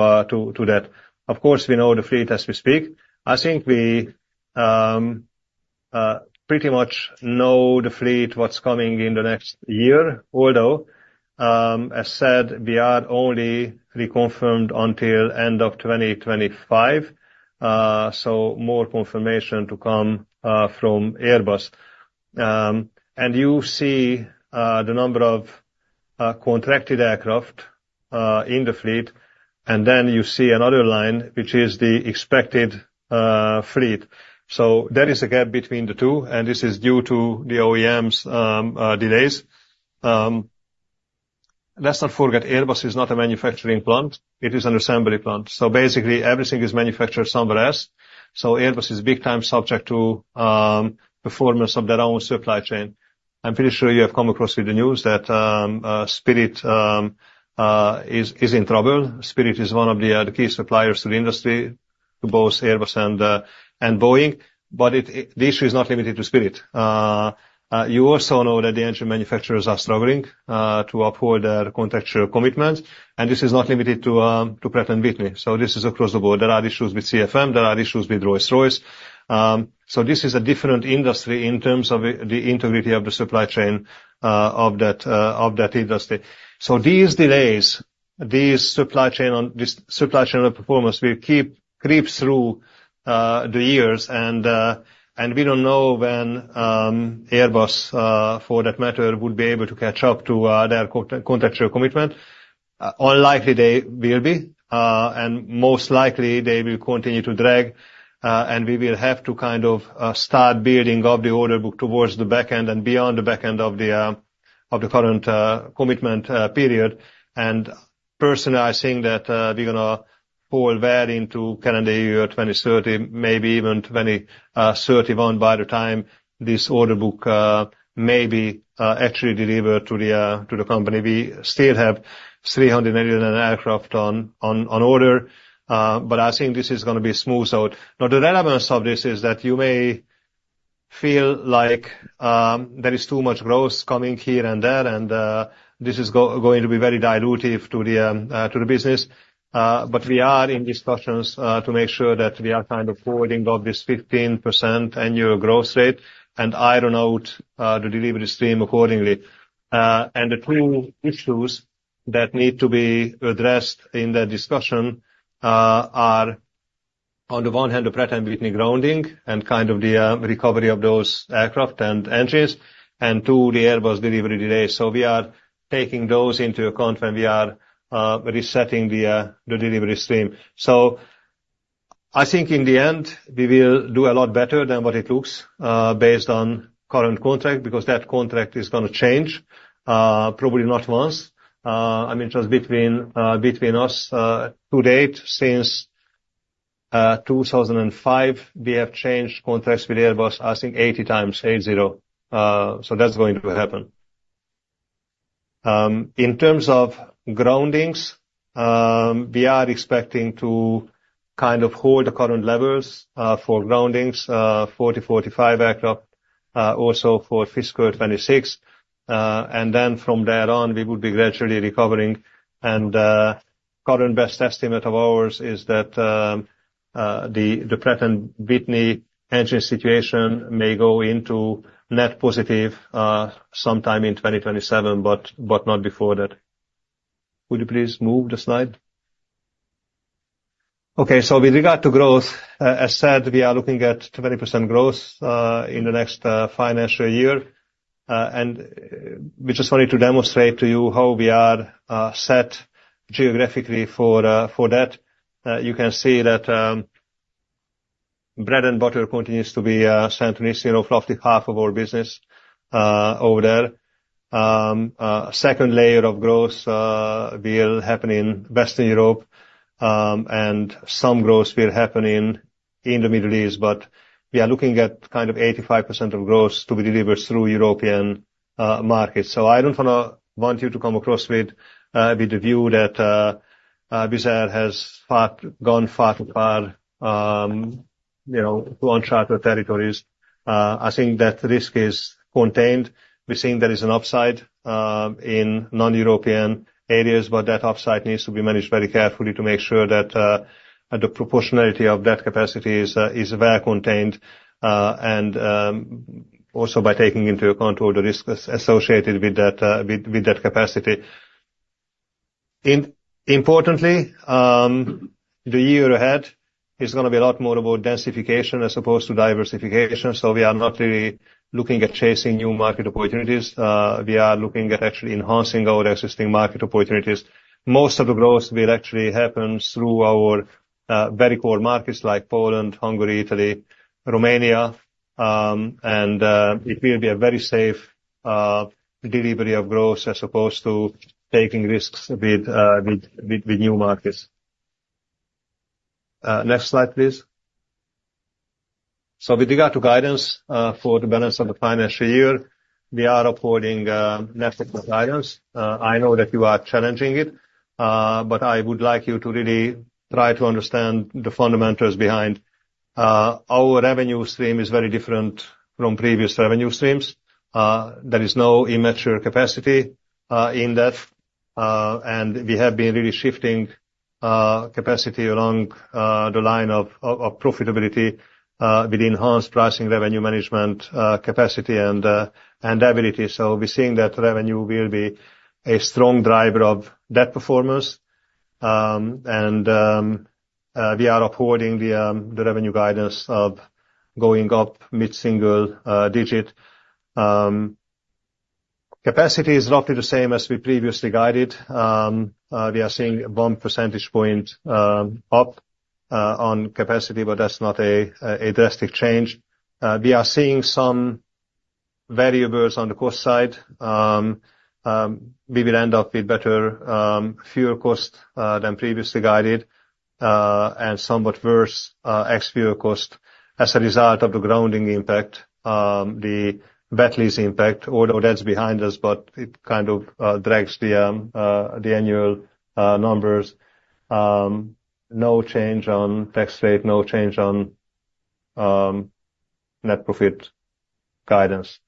that. Of course, we know the fleet as we speak. I think we pretty much know the fleet what's coming in the next year, although, as said, we are only reconfirmed until end of 2025. So more confirmation to come from Airbus. You see the number of contracted aircraft in the fleet, and then you see another line, which is the expected fleet. So there is a gap between the two, and this is due to the OEM's delays. Let's not forget Airbus is not a manufacturing plant. It is an assembly plant. So basically, everything is manufactured somewhere else. So Airbus is big time subject to performance of their own supply chain. I'm pretty sure you have come across with the news that Spirit is in trouble. Spirit is one of the key suppliers to the industry, to both Airbus and Boeing. But the issue is not limited to Spirit. You also know that the engine manufacturers are struggling to uphold their contractual commitments. And this is not limited to Pratt & Whitney. So this is across the board. There are issues with CFM. There are issues with Rolls-Royce. This is a different industry in terms of the integrity of the supply chain of that industry. These delays, these supply chain performance will keep creeping through the years. We don't know when Airbus, for that matter, would be able to catch up to their contractual commitment. Unlikely they will be. Most likely, they will continue to drag. We will have to kind of start building up the order book towards the back end and beyond the back end of the current commitment period. Personally, I think that we're going to fall well into calendar year 2030, maybe even 2031 by the time this order book may be actually delivered to the company. We still have 389 aircraft on order. I think this is going to be smoothed out. Now, the relevance of this is that you may feel like there is too much growth coming here and there, and this is going to be very dilutive to the business. But we are in discussions to make sure that we are kind of forwarding of this 15% annual growth rate and iron out the delivery stream accordingly. And the two issues that need to be addressed in that discussion are, on the one hand, the Pratt & Whitney grounding and kind of the recovery of those aircraft and engines, and two, the Airbus delivery delays. So we are taking those into account when we are resetting the delivery stream. So I think in the end, we will do a lot better than what it looks based on current contract because that contract is going to change, probably not once. I mean, just between us to date since 2005, we have changed contracts with Airbus, I think, 80 times, 80. So that's going to happen. In terms of groundings, we are expecting to kind of hold the current levels for groundings, 40-45 aircraft, also for fiscal 2026, and then from there on, we would be gradually recovering, and current best estimate of ours is that the Pratt & Whitney engine situation may go into net positive sometime in 2027, but not before that. Could you please move the slide? Okay, so with regard to growth, as said, we are looking at 20% growth in the next financial year, and we just wanted to demonstrate to you how we are set geographically for that. You can see that bread and butter continues to be Central and Eastern Europe of roughly half of our business over there. Second layer of growth will happen in Western Europe, and some growth will happen in the Middle East. But we are looking at kind of 85% of growth to be delivered through European markets. So I don't want you to come across with the view that Wizz has gone far too far to uncharted territories. I think that risk is contained. We're seeing there is an upside in non-European areas, but that upside needs to be managed very carefully to make sure that the proportionality of that capacity is well contained and also by taking into account all the risks associated with that capacity. Importantly, the year ahead is going to be a lot more about densification as opposed to diversification. So we are not really looking at chasing new market opportunities. We are looking at actually enhancing our existing market opportunities. Most of the growth will actually happen through our very core markets like Poland, Hungary, Italy, Romania. And it will be a very safe delivery of growth as opposed to taking risks with new markets. Next slide, please. So with regard to guidance for the balance of the financial year, we are upholding network guidance. I know that you are challenging it, but I would like you to really try to understand the fundamentals behind. Our revenue stream is very different from previous revenue streams. There is no immature capacity in that. And we have been really shifting capacity along the line of profitability with enhanced pricing revenue management capacity and ability. So we're seeing that revenue will be a strong driver of that performance. And we are upholding the revenue guidance of going up mid-single digit. Capacity is roughly the same as we previously guided. We are seeing a 1 % point up on capacity, but that's not a drastic change. We are seeing some variables on the cost side. We will end up with better fuel cost than previously guided and somewhat worse ex-fuel cost as a result of the grounding impact, the wet lease's impact. Although that's behind us, but it kind of drags the annual numbers. No change on tax rate, no change on net profit guidance.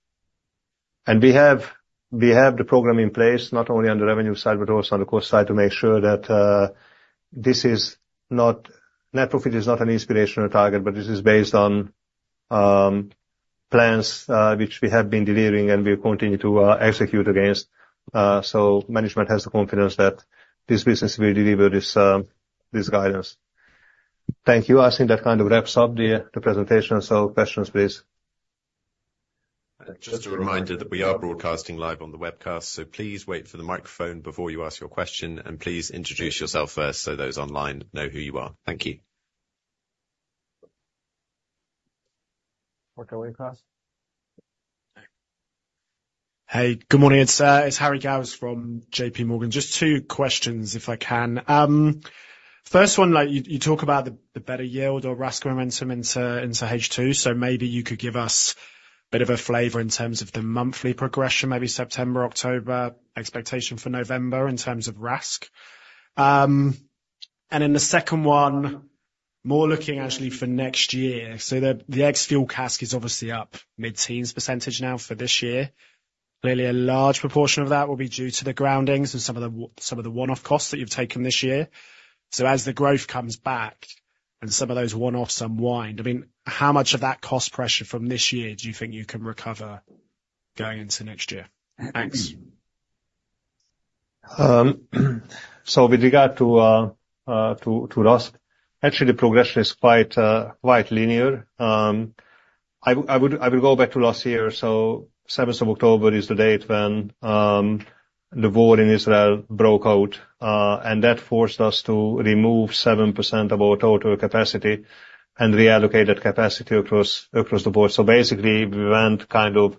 And we have the program in place, not only on the revenue side, but also on the cost side to make sure that this net profit is not an inspirational target, but this is based on plans which we have been delivering and we continue to execute against. So management has the confidence that this business will deliver this guidance. Thank you. I think that kind of wraps up the presentation. So questions, please. Just a reminder that we are broadcasting live on the webcast, so please wait for the microphone before you ask your question, and please introduce yourself first so those online know who you are. Thank you. Hey, good morning. It's Harry Gowers from JPMorgan. Just two questions, if I can. First one, you talk about the better yield or RASC momentum into H2, so maybe you could give us a bit of a flavor in terms of the monthly progression, maybe September, October expectation for November in terms of RASC, and then the second one, more looking actually for next year, so the ex-fuel CASK is obviously up mid-teens% now for this year. Clearly, a large proportion of that will be due to the groundings and some of the one-off costs that you've taken this year. So as the growth comes back and some of those one-offs unwind, I mean, how much of that cost pressure from this year do you think you can recover going into next year? Thanks. So with regard to RASC, actually, the progression is quite linear. I will go back to last year. So 7th of October is the date when the war in Israel broke out. And that forced us to remove 7% of our total capacity and reallocate that capacity across the board. So basically, we went kind of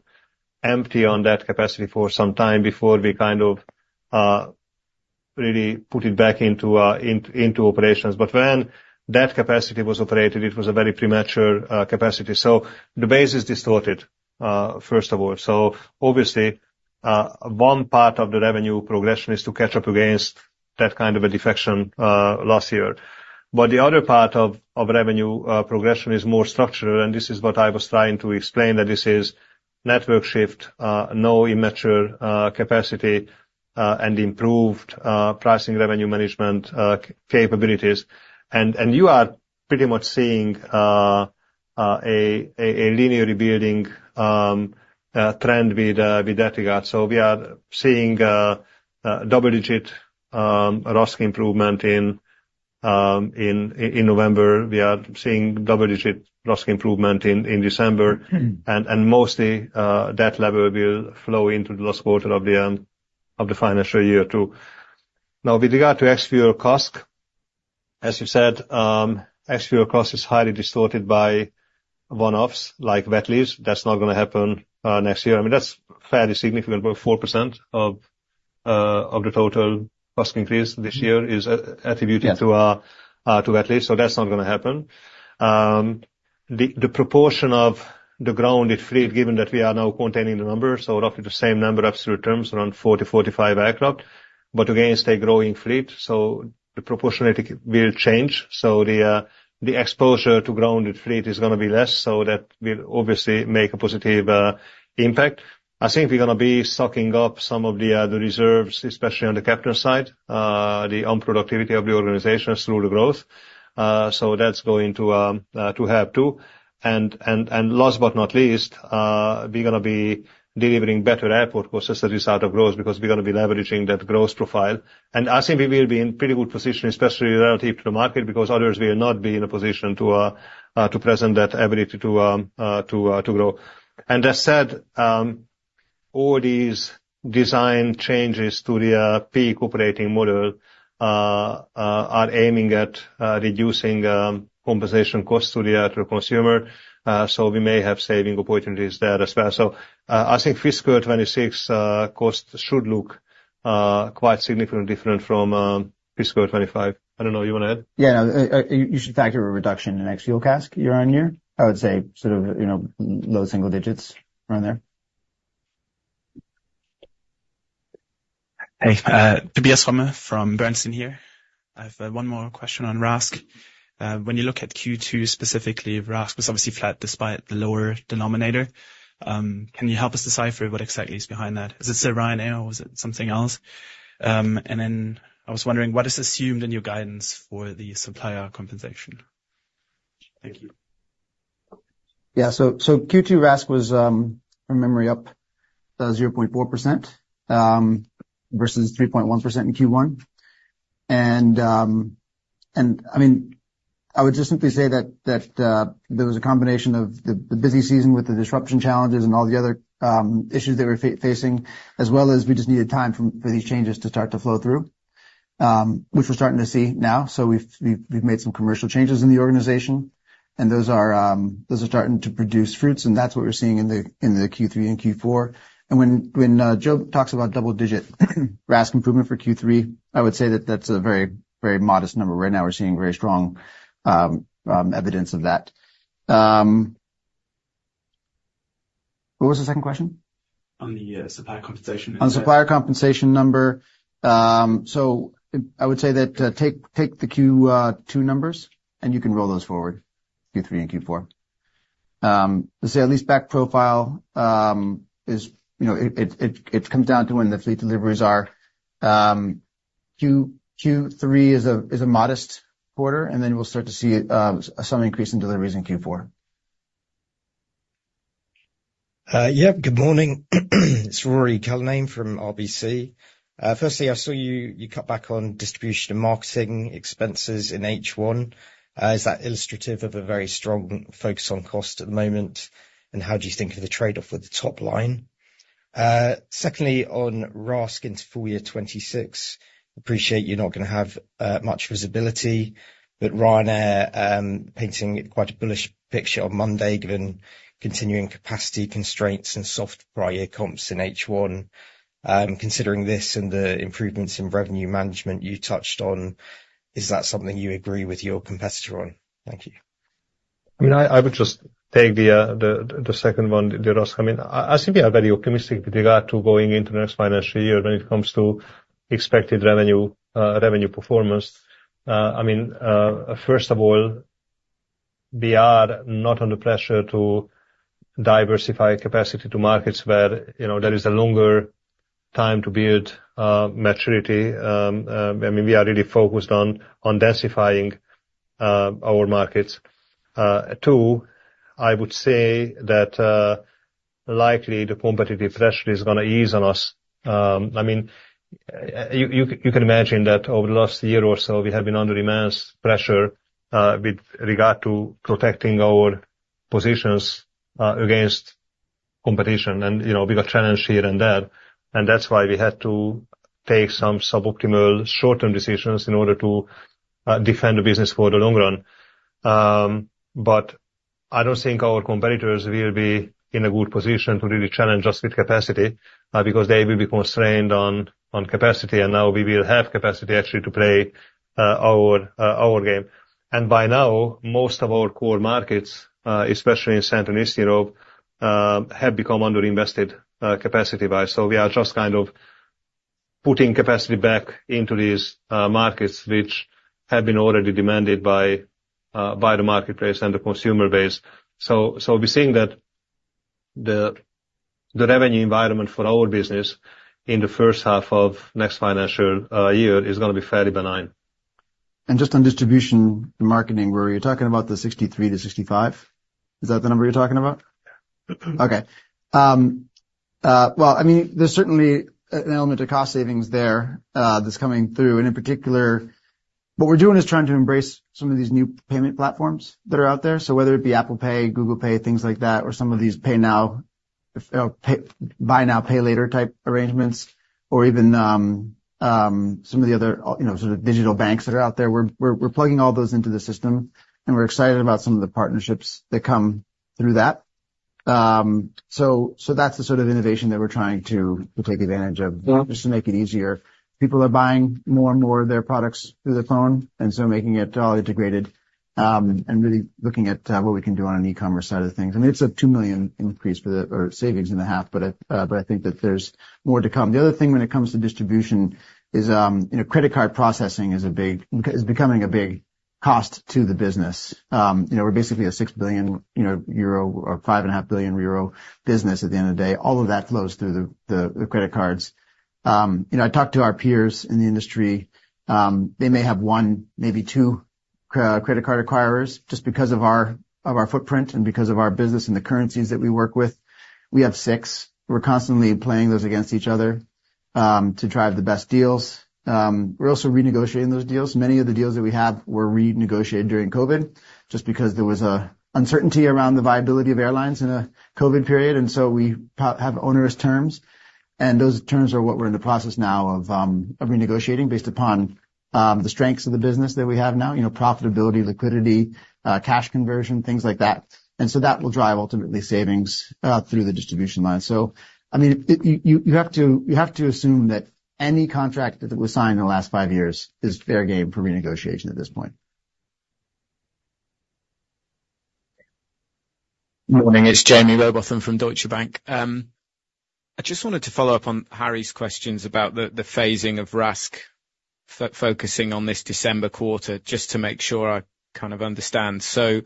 empty on that capacity for some time before we kind of really put it back into operations. But when that capacity was operated, it was a very premature capacity. So the base is distorted, first of all. So obviously, one part of the revenue progression is to catch up against that kind of a deflection last year. But the other part of revenue progression is more structured. And this is what I was trying to explain, that this is network shift, no immature capacity, and improved pricing revenue management capabilities. And you are pretty much seeing a linear rebuilding trend with that regard. So we are seeing double-digit RASC improvement in November. We are seeing double-digit RASC improvement in December. And mostly, that level will flow into the last quarter of the financial year too. Now, with regard to ex-fuel costs, as you said, ex-fuel costs is highly distorted by one-offs like wet leases. That's not going to happen next year. I mean, that's fairly significant, but 4% of the total RASC increase this year is attributed to wet leases. So that's not going to happen. The proportion of the grounded fleet, given that we are now containing the numbers, so roughly the same number in absolute terms, around 40-45 aircraft, but again, staying growing fleet. The proportionality will change. The exposure to grounded fleet is going to be less. That will obviously make a positive impact. I think we're going to be sucking up some of the reserves, especially on the captain side, the unproductivity of the organization through the growth. That's going to have to. Last but not least, we're going to be delivering better airport costs as a result of growth because we're going to be leveraging that growth profile. I think we will be in pretty good position, especially relative to the market, because others will not be in a position to present that ability to grow. And as said, all these design changes to the peak operating model are aiming at reducing compensation costs to the consumer. So we may have saving opportunities there as well. So I think Fiscal 2026 costs should look quite significantly different from Fiscal 2025. I don't know. You want to add? Yeah. You should factor a reduction in ex-fuel cask year on year. I would say sort of low single digits around there. Hey, Tobias Sommer from Bernstein here. I have one more question on RASC. When you look at Q2, specifically, RASC was obviously flat despite the lower denominator. Can you help us decipher what exactly is behind that? Is it SIRIAN AIL? Is it something else? And then I was wondering, what is assumed in your guidance for the supplier compensation? Thank you. Yeah. So Q2 RASC was, from memory up, 0.4% versus 3.1% in Q1. I mean, I would just simply say that there was a combination of the busy season with the disruption challenges and all the other issues they were facing, as well as we just needed time for these changes to start to flow through, which we're starting to see now. We've made some commercial changes in the organization, and those are starting to produce fruits. That's what we're seeing in the Q3 and Q4. When Joe talks about double-digit RASC improvement for Q3, I would say that that's a very modest number. Right now, we're seeing very strong evidence of that. What was the second question? On the supplier compensation? On supplier compensation number. I would say that take the Q2 numbers, and you can roll those forward, Q3 and Q4. Let's say at least back profile, it comes down to when the fleet deliveries are. Q3 is a modest quarter, and then we'll start to see some increase in deliveries in Q4. Yep. Good morning. It's Ruairi Cullinane from RBC. Firstly, I saw you cut back on distribution and marketing expenses in H1. Is that illustrative of a very strong focus on cost at the moment? And how do you think of the trade-off with the top line? Secondly, on RASC into full year 2026, appreciate you're not going to have much visibility, but Ryanair painting quite a bullish picture on Monday given continuing capacity constraints and soft prior comps in H1. Considering this and the improvements in revenue management you touched on, is that something you agree with your competitor on? Thank you. I mean, I would just take the second one, the RASC.I mean, I think we are very optimistic with regard to going into the next financial year when it comes to expected revenue performance. I mean, first of all, we are not under pressure to diversify capacity to markets where there is a longer time to build maturity. I mean, we are really focused on densifying our markets. Two, I would say that likely the competitive pressure is going to ease on us. I mean, you can imagine that over the last year or so, we have been under immense pressure with regard to protecting our positions against competition, and we got challenged here and there, and that's why we had to take some suboptimal short-term decisions in order to defend the business for the long run. But I don't think our competitors will be in a good position to really challenge us with capacity because they will be constrained on capacity. And now we will have capacity actually to play our game. And by now, most of our core markets, especially in Central and Eastern Europe, have become underinvested capacity-wise. So we are just kind of putting capacity back into these markets which have been already demanded by the marketplace and the consumer base. So we're seeing that the revenue environment for our business in the first half of next financial year is going to be fairly benign. And just on distribution marketing, were you talking about the 63-65? Is that the number you're talking about? Okay. Well, I mean, there's certainly an element of cost savings there that's coming through. And in particular, what we're doing is trying to embrace some of these new payment platforms that are out there. So whether it be Apple Pay, Google Pay, things like that, or some of these pay now, buy now, pay later type arrangements, or even some of the other sort of digital banks that are out there, we're plugging all those into the system. And we're excited about some of the partnerships that come through that. So that's the sort of innovation that we're trying to take advantage of just to make it easier. People are buying more and more of their products through the phone, and so making it all integrated and really looking at what we can do on an e-commerce side of things. I mean, it's a 2 million increase or savings in the half, but I think that there's more to come. The other thing when it comes to distribution is credit card processing is becoming a big cost to the business. We're basically a 6 billion euro or 5.5 billion euro business at the end of the day. All of that flows through the credit cards. I talked to our peers in the industry. They may have one, maybe two credit card acquirers just because of our footprint and because of our business and the currencies that we work with. We have six. We're constantly playing those against each other to drive the best deals. We're also renegotiating those deals. Many of the deals that we have were renegotiated during COVID just because there was uncertainty around the viability of airlines in a COVID period, and so we have onerous terms. Those terms are what we're in the process now of renegotiating based upon the strengths of the business that we have now, profitability, liquidity, cash conversion, things like that. And so that will drive ultimately savings through the distribution line. So I mean, you have to assume that any contract that was signed in the last five years is fair game for renegotiation at this point. Good morning. It's Jaime Rowbotham from Deutsche Bank. I just wanted to follow up on Harry's questions about the phasing of RASC focusing on this December quarter just to make sure I kind of understand. So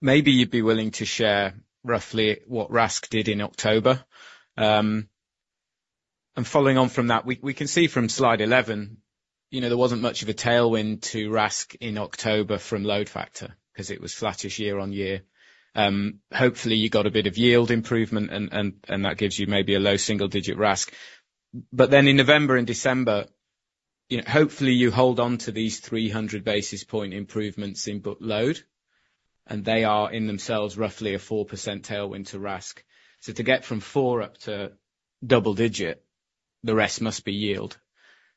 maybe you'd be willing to share roughly what RASC did in October. And following on from that, we can see from slide 11, there wasn't much of a tailwind to RASC in October from load factor because it was flattish year on year. Hopefully, you got a bit of yield improvement, and that gives you maybe a low single-digit RASC. But then in November and December, hopefully, you hold on to these 300 basis points improvements in booked load. And they are in themselves roughly a 4% tailwind to RASC. So to get from 4 up to double-digit, the rest must be yield.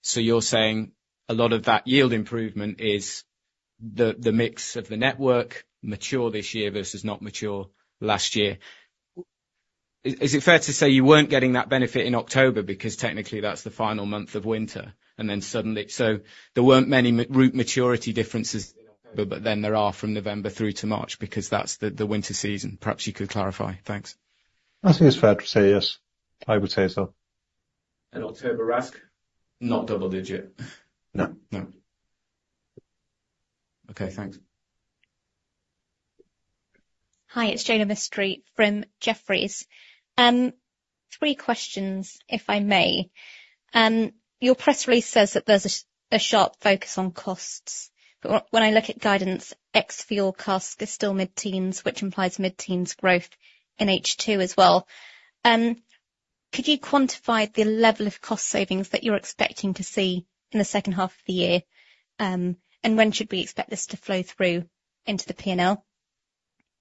So you're saying a lot of that yield improvement is the mix of the network mature this year versus not mature last year. Is it fair to say you weren't getting that benefit in October because technically that's the final month of winter? And then suddenly, so there weren't many route maturity differences in October, but then there are from November through to March because that's the winter season. Perhaps you could clarify. Thanks. I think it's fair to say yes. I would say so. And October RASC? Not double-digit. No. No. Okay. Thanks. Hi. It's Jane of the Street from Jefferies. Three questions, if I may. Your press release says that there's a sharp focus on costs. But when I look at guidance, ex-fuel costs are still mid-teens, which implies mid-teens growth in H2 as well. Could you quantify the level of cost savings that you're expecting to see in the second half of the year? And when should we expect this to flow through into the P&L?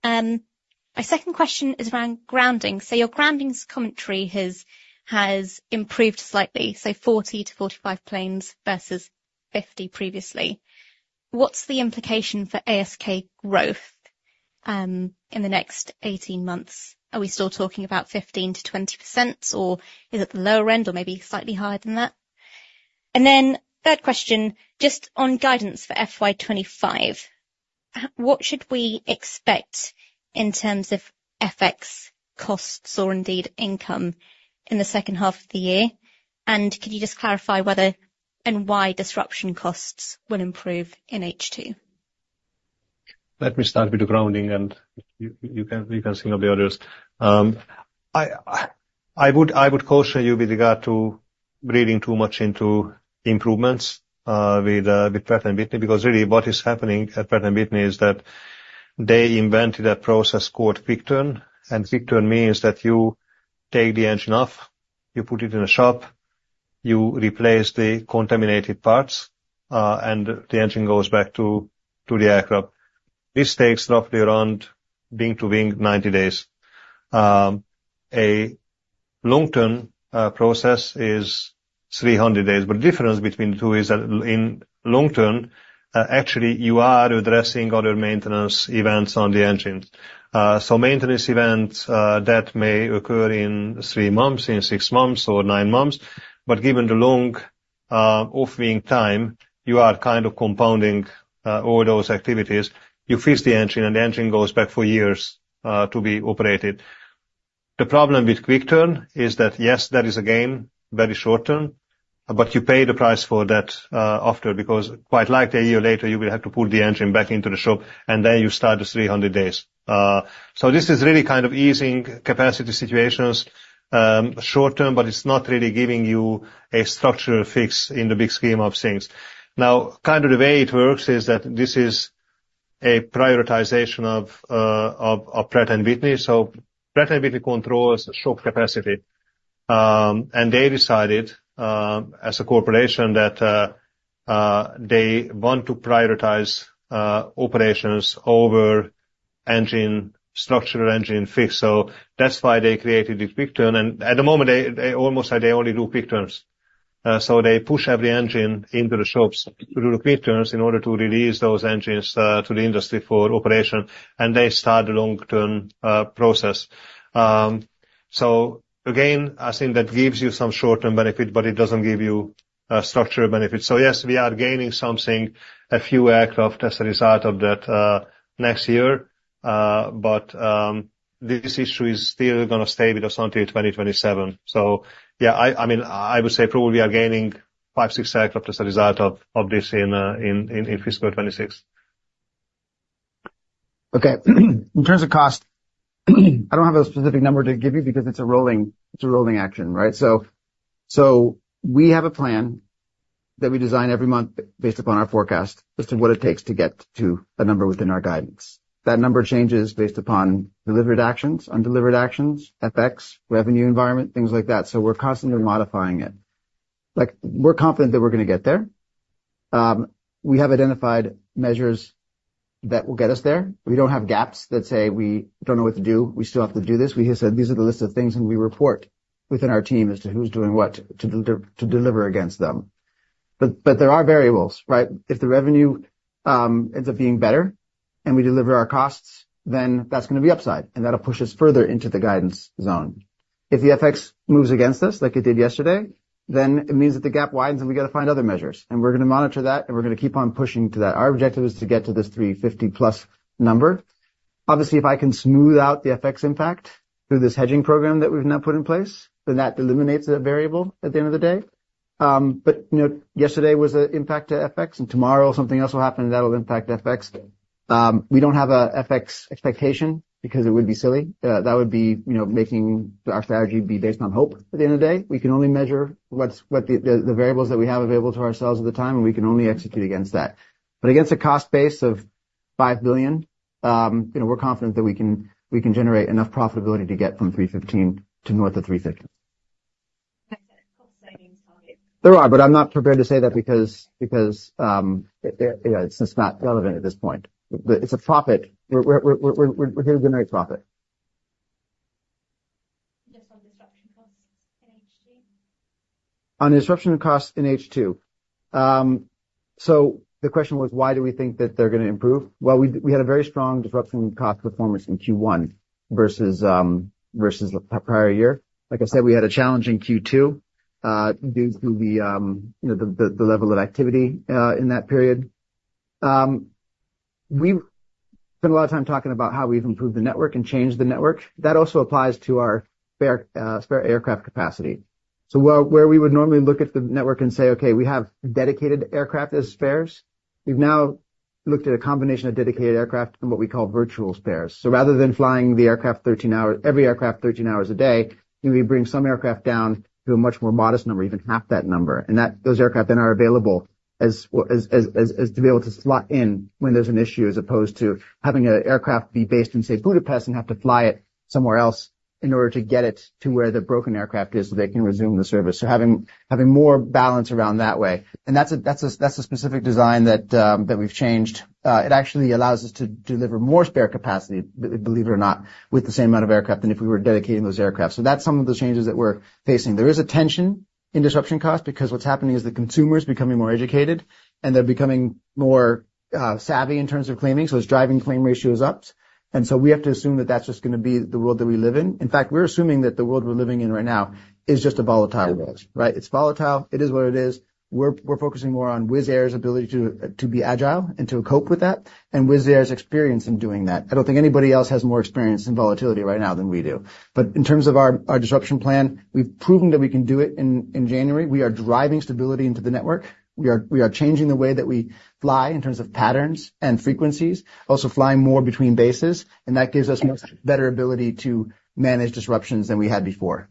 My second question is around grounding. So your grounding's commentary has improved slightly, so 40-45 planes versus 50 previously. What's the implication for ASK growth in the next 18 months? Are we still talking about 15%-20%, or is it the lower end or maybe slightly higher than that? And then third question, just on guidance for FY2025, what should we expect in terms of FX costs or indeed income in the second half of the year? And could you just clarify whether and why disruption costs will improve in H2? Let me start with the grounding, and you can think of the others. I would caution you with regard to reading too much into improvements with Pratt & Whitney because really what is happening at Pratt & Whitney is that they invented a process called quick turn. And quick turn means that you take the engine off, you put it in a shop, you replace the contaminated parts, and the engine goes back to the aircraft. This takes roughly around wing-to-wing 90 days. A long-term process is 300 days. But the difference between the two is that in long-term, actually, you are addressing other maintenance events on the engine. So maintenance events that may occur in three months, in six months, or nine months. But given the long off-wing time, you are kind of compounding all those activities. You fix the engine, and the engine goes back for years to be operated. The problem with quick turn is that, yes, that is again very short-term, but you pay the price for that after because quite likely a year later, you will have to pull the engine back into the shop, and then you start the 300 days. So this is really kind of easing capacity situations short-term, but it's not really giving you a structural fix in the big scheme of things. Now, kind of the way it works is that this is a prioritization of Pratt & Whitney. Pratt & Whitney controls shop capacity. They decided as a corporation that they want to prioritize operations over engine structural fix. That's why they created this quick turn. At the moment, they almost say they only do quick turns. They push every engine into the shops to do the quick turns in order to release those engines to the industry for operation. They start the long-term process. Again, I think that gives you some short-term benefit, but it doesn't give you structural benefits. Yes, we are gaining something, a few aircraft as a result of that next year. This issue is still going to stay with us until 2027. Yeah, I mean, I would say probably we are gaining five, six aircraft as a result of this in fiscal 2026. Okay. In terms of cost, I don't have a specific number to give you because it's a rolling action, right? So we have a plan that we design every month based upon our forecast as to what it takes to get to a number within our guidance. That number changes based upon delivered actions, undelivered actions, FX, revenue environment, things like that. So we're constantly modifying it. We're confident that we're going to get there. We have identified measures that will get us there. We don't have gaps that say we don't know what to do. We still have to do this. We said these are the list of things, and we report within our team as to who's doing what to deliver against them. But there are variables, right? If the revenue ends up being better and we deliver our costs, then that's going to be upside. And that'll push us further into the guidance zone. If the FX moves against us like it did yesterday, then it means that the gap widens and we got to find other measures. And we're going to monitor that, and we're going to keep on pushing to that. Our objective is to get to this 350-plus number. Obviously, if I can smooth out the FX impact through this hedging program that we've now put in place, then that eliminates a variable at the end of the day. But yesterday was an impact to FX, and tomorrow something else will happen that will impact FX. We don't have an FX expectation because it would be silly. That would be making our strategy be based on hope at the end of the day. We can only measure the variables that we have available to ourselves at the time, and we can only execute against that. But against a cost base of €5 billion, we're confident that we can generate enough profitability to get from 315 to north of 350. There are, but I'm not prepared to say that because it's not relevant at this point. It's a profit. We're here to generate profit. Just on disruption costs in H2? On disruption costs in H2. So the question was, why do we think that they're going to improve? Well, we had a very strong disruption cost performance in Q1 versus the prior year. Like I said, we had a challenging Q2 due to the level of activity in that period. We spent a lot of time talking about how we've improved the network and changed the network. That also applies to our spare aircraft capacity. So where we would normally look at the network and say, "Okay, we have dedicated aircraft as spares." We've now looked at a combination of dedicated aircraft and what we call virtual spares. So rather than flying every aircraft 13 hours a day, we bring some aircraft down to a much more modest number, even half that number. And those aircraft then are available to be able to slot in when there's an issue as opposed to having an aircraft be based in, say, Budapest and have to fly it somewhere else in order to get it to where the broken aircraft is so they can resume the service. So having more balance around that way. And that's a specific design that we've changed. It actually allows us to deliver more spare capacity, believe it or not, with the same amount of aircraft than if we were dedicating those aircraft, so that's some of the changes that we're facing. There is a tension in disruption costs because what's happening is the consumer is becoming more educated, and they're becoming more savvy in terms of claiming, so the driving claim ratio is up, and so we have to assume that that's just going to be the world that we live in. In fact, we're assuming that the world we're living in right now is just a volatile world, right? It's volatile. It is what it is. We're focusing more on Wizz Air's ability to be agile and to cope with that and Wizz Air's experience in doing that. I don't think anybody else has more experience in volatility right now than we do. But in terms of our disruption plan, we've proven that we can do it in January. We are driving stability into the network. We are changing the way that we fly in terms of patterns and frequencies, also flying more between bases. And that gives us much better ability to manage disruptions than we had before.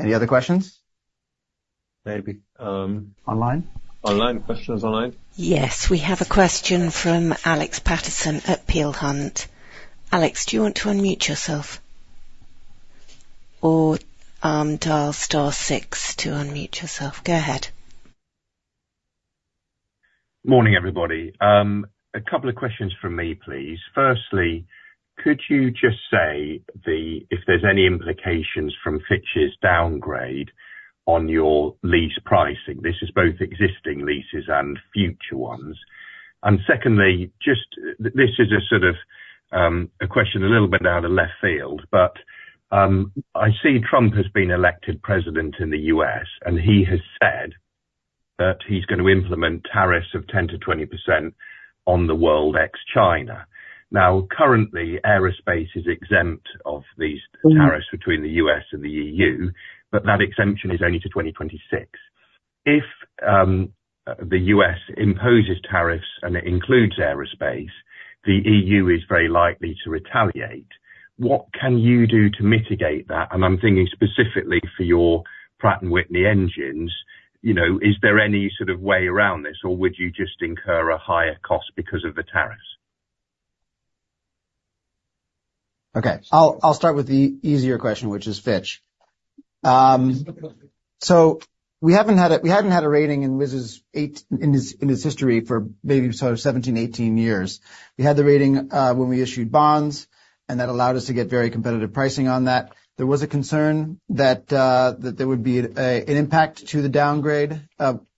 Any other questions? Maybe. Online? Online questions online? Yes. We have a question from Alex Paterson at Peel Hunt. Alex, do you want to unmute yourself? Or dial star six to unmute yourself. Go ahead. Morning, everybody. A couple of questions from me, please. Firstly, could you just say if there's any implications from Fitch's downgrade on your lease pricing? This is both existing leases and future ones. And secondly, just this is a sort of a question a little bit out of left field. But I see Trump has been elected president in the U.S., and he has said that he's going to implement tariffs of 10%-20% on the world ex-China. Now, currently, aerospace is exempt of these tariffs between the U.S. and the E.U., but that exemption is only to 2026. If the U.S. imposes tariffs and it includes aerospace, the E.U. is very likely to retaliate. What can you do to mitigate that? And I'm thinking specifically for your Pratt & Whitney engines. Is there any sort of way around this, or would you just incur a higher cost because of the tariffs? Okay. I'll start with the easier question, which is Fitch. So we haven't had a rating in Wizz's history for maybe 17, 18 years. We had the rating when we issued bonds, and that allowed us to get very competitive pricing on that. There was a concern that there would be an impact to the downgrade.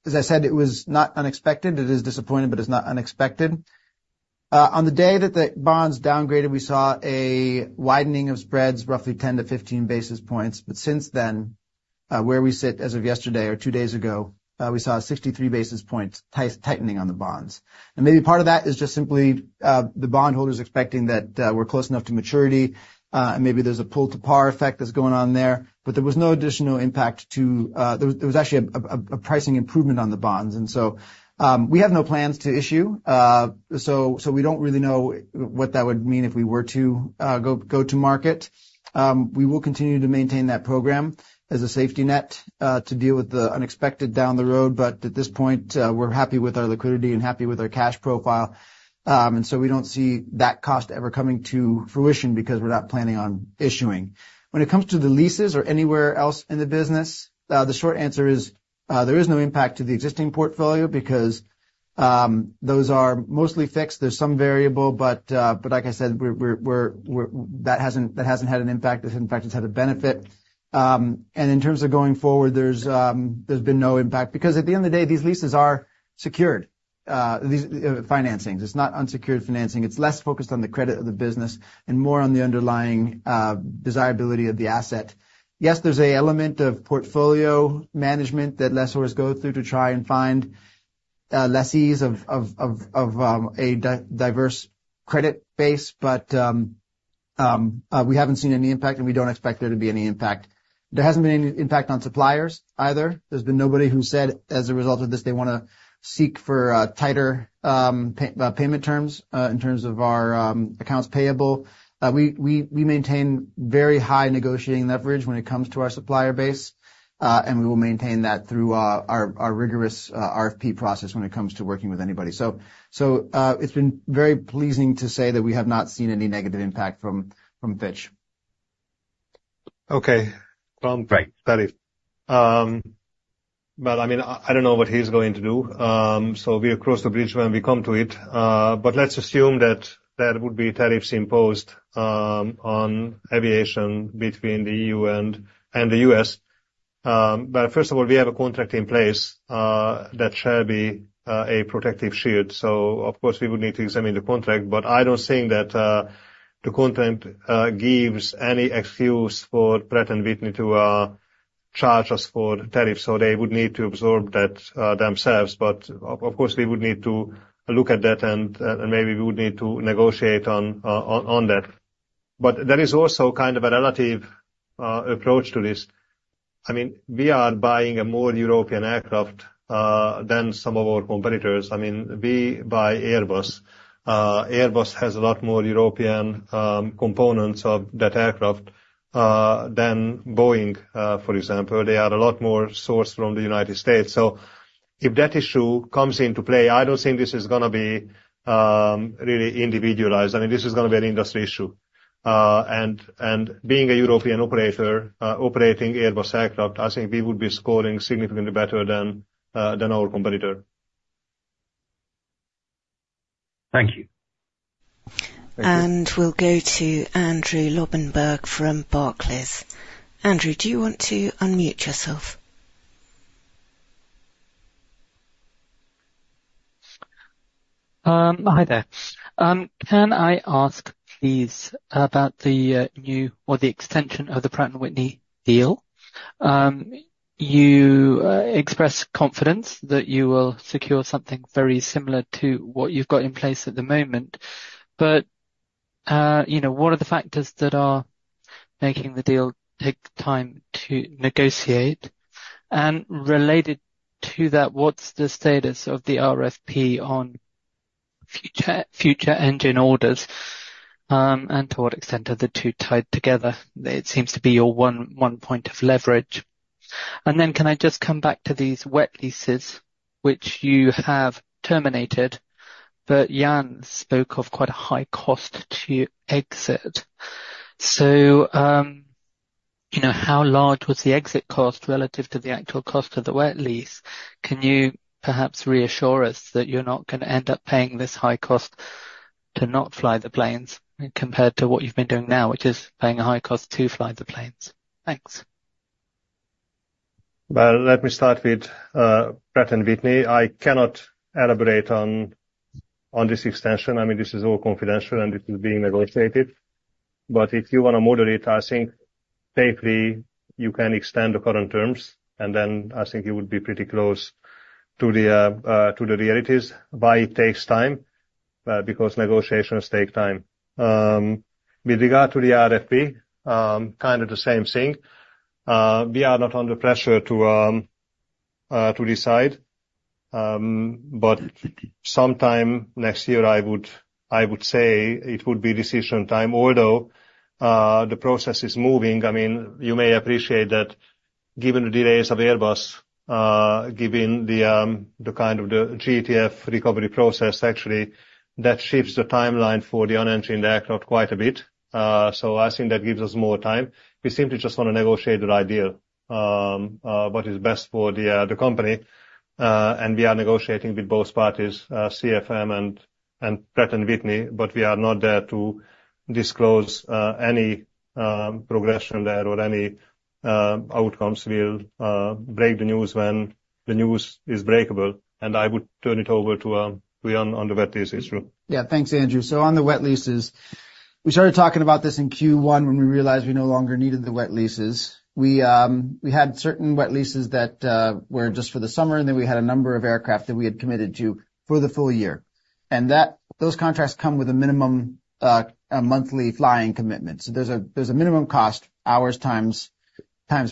As I said, it was not unexpected. It is disappointing, but it's not unexpected. On the day that the bonds downgraded, we saw a widening of spreads, roughly 10-15 basis points. But since then, where we sit as of yesterday or two days ago, we saw 63 basis points tightening on the bonds. And maybe part of that is just simply the bondholders expecting that we're close enough to maturity, and maybe there's a pull-to-par effect that's going on there. But there was no additional impact. There was actually a pricing improvement on the bonds. And so we have no plans to issue. So we don't really know what that would mean if we were to go to market. We will continue to maintain that program as a safety net to deal with the unexpected down the road. But at this point, we're happy with our liquidity and happy with our cash profile. And so we don't see that cost ever coming to fruition because we're not planning on issuing. When it comes to the leases or anywhere else in the business, the short answer is there is no impact to the existing portfolio because those are mostly fixed. There's some variable. But like I said, that hasn't had an impact. In fact, it's had a benefit. And in terms of going forward, there's been no impact because at the end of the day, these leases are secured financings. It's not unsecured financing. It's less focused on the credit of the business and more on the underlying desirability of the asset. Yes, there's an element of portfolio management that lessors go through to try and find lessees of a diverse credit base, but we haven't seen any impact, and we don't expect there to be any impact. There hasn't been any impact on suppliers either. There's been nobody who said as a result of this, they want to seek for tighter payment terms in terms of our accounts payable. We maintain very high negotiating leverage when it comes to our supplier base, and we will maintain that through our rigorous RFP process when it comes to working with anybody. So it's been very pleasing to say that we have not seen any negative impact from Fitch. Okay. Well, great. But I mean, I don't know what he's going to do. So we'll cross the bridge when we come to it. But let's assume that there would be tariffs imposed on aviation between the E.U. and the U.S. But first of all, we have a contract in place that shall be a protective shield. So of course, we would need to examine the contract. But I don't think that the content gives any excuse for Pratt & Whitney to charge us for tariffs. So they would need to absorb that themselves. But of course, we would need to look at that, and maybe we would need to negotiate on that. But there is also kind of a relative approach to this. I mean, we are buying a more European aircraft than some of our competitors. I mean, we buy Airbus. Airbus has a lot more European components of that aircraft than Boeing, for example. They are a lot more sourced from the United States. So if that issue comes into play, I don't think this is going to be really individualized. I mean, this is going to be an industry issue. And being a European operator, operating Airbus aircraft, I think we would be scoring significantly better than our competitor. Thank you. And we'll go to Andrew Lobbenberg from Barclays. Andrew, do you want to unmute yourself? Hi there. Can I ask, please, about the new or the extension of the Pratt & Whitney deal? You express confidence that you will secure something very similar to what you've got in place at the moment. But what are the factors that are making the deal take time to negotiate? And related to that, what's the status of the RFP on future engine orders? And to what extent are the two tied together? It seems to be your one point of leverage. And then can I just come back to these wet leases, which you have terminated, but Ian spoke of quite a high cost to exit. So how large was the exit cost relative to the actual cost of the wet lease? Can you perhaps reassure us that you're not going to end up paying this high cost to not fly the planes compared to what you've been doing now, which is paying a high cost to fly the planes? Thanks. Well, let me start with Pratt & Whitney. I cannot elaborate on this extension. I mean, this is all confidential, and this is being negotiated. But if you want to model it, I think safely, you can extend the current terms. And then I think you would be pretty close to the realities. Why it takes time? Because negotiations take time. With regard to the RFP, kind of the same thing. We are not under pressure to decide, but sometime next year, I would say it would be decision time. Although the process is moving, I mean, you may appreciate that given the delays of Airbus, given the kind of the GTF recovery process, actually, that shifts the timeline for the unengined aircraft quite a bit. So I think that gives us more time. We simply just want to negotiate the right deal, what is best for the company. And we are negotiating with both parties, CFM and Pratt & Whitney, but we are not there to disclose any progression there or any outcomes. We will break the news when the news is breakable. And I would turn it over to Ian on the wet lease issue. Yeah. Thanks, Andrew, so on the wet leases, we started talking about this in Q1 when we realized we no longer needed the wet leases. We had certain wet leases that were just for the summer, and then we had a number of aircraft that we had committed to for the full year. And those contracts come with a minimum monthly flying commitment. So there's a minimum cost, hours times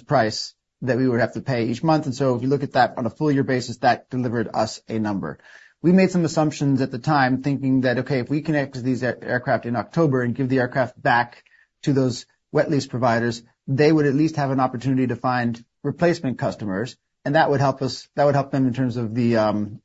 price that we would have to pay each month. And so if you look at that on a full year basis, that delivered us a number. We made some assumptions at the time, thinking that, okay, if we connect to these aircraft in October and give the aircraft back to those wet lease providers, they would at least have an opportunity to find replacement customers. And that would help them in terms of the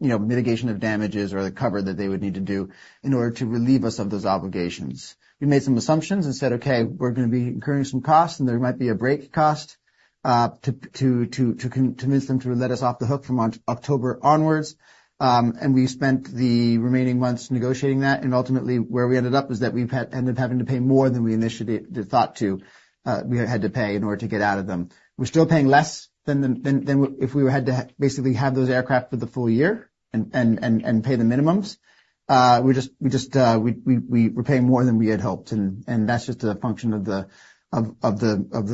mitigation of damages or the cover that they would need to do in order to relieve us of those obligations. We made some assumptions and said, "Okay, we're going to be incurring some costs, and there might be a break cost to convince them to let us off the hook from October onwards." And we spent the remaining months negotiating that. And ultimately, where we ended up is that we ended up having to pay more than we initially thought we had to pay in order to get out of them. We're still paying less than if we had to basically have those aircraft for the full year and pay the minimums. We're just paying more than we had hoped. And that's just a function of the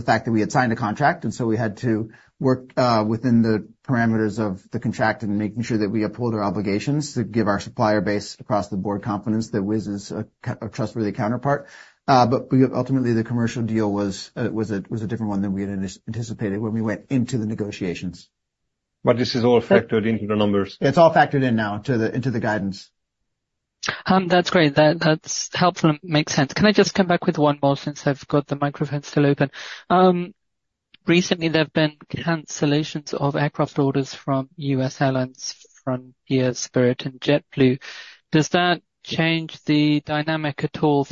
fact that we had signed a contract. And so we had to work within the parameters of the contract and making sure that we uphold our obligations to give our supplier base across the board confidence that Wizz is a trustworthy counterpart. Ultimately, the commercial deal was a different one than we had anticipated when we went into the negotiations. This is all factored into the numbers. It's all factored in now into the guidance. That's great. That helps make sense. Can I just come back with one more since I've got the microphone still open? Recently, there have been cancellations of aircraft orders from U.S. airlines, Frontier Airlines, Spirit Airlines, and JetBlue. Does that change the dynamic at all,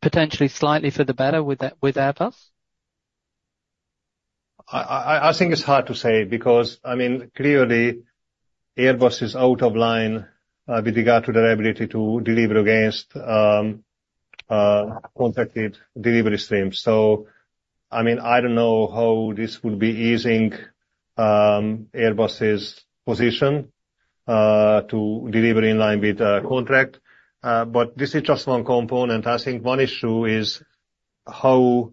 potentially slightly for the better with Airbus? I think it's hard to say because, I mean, clearly, Airbus is out of line with regard to their ability to deliver against contracted delivery streams. I mean, I don't know how this would be easing Airbus's position to deliver in line with the contract. This is just one component. I think one issue is how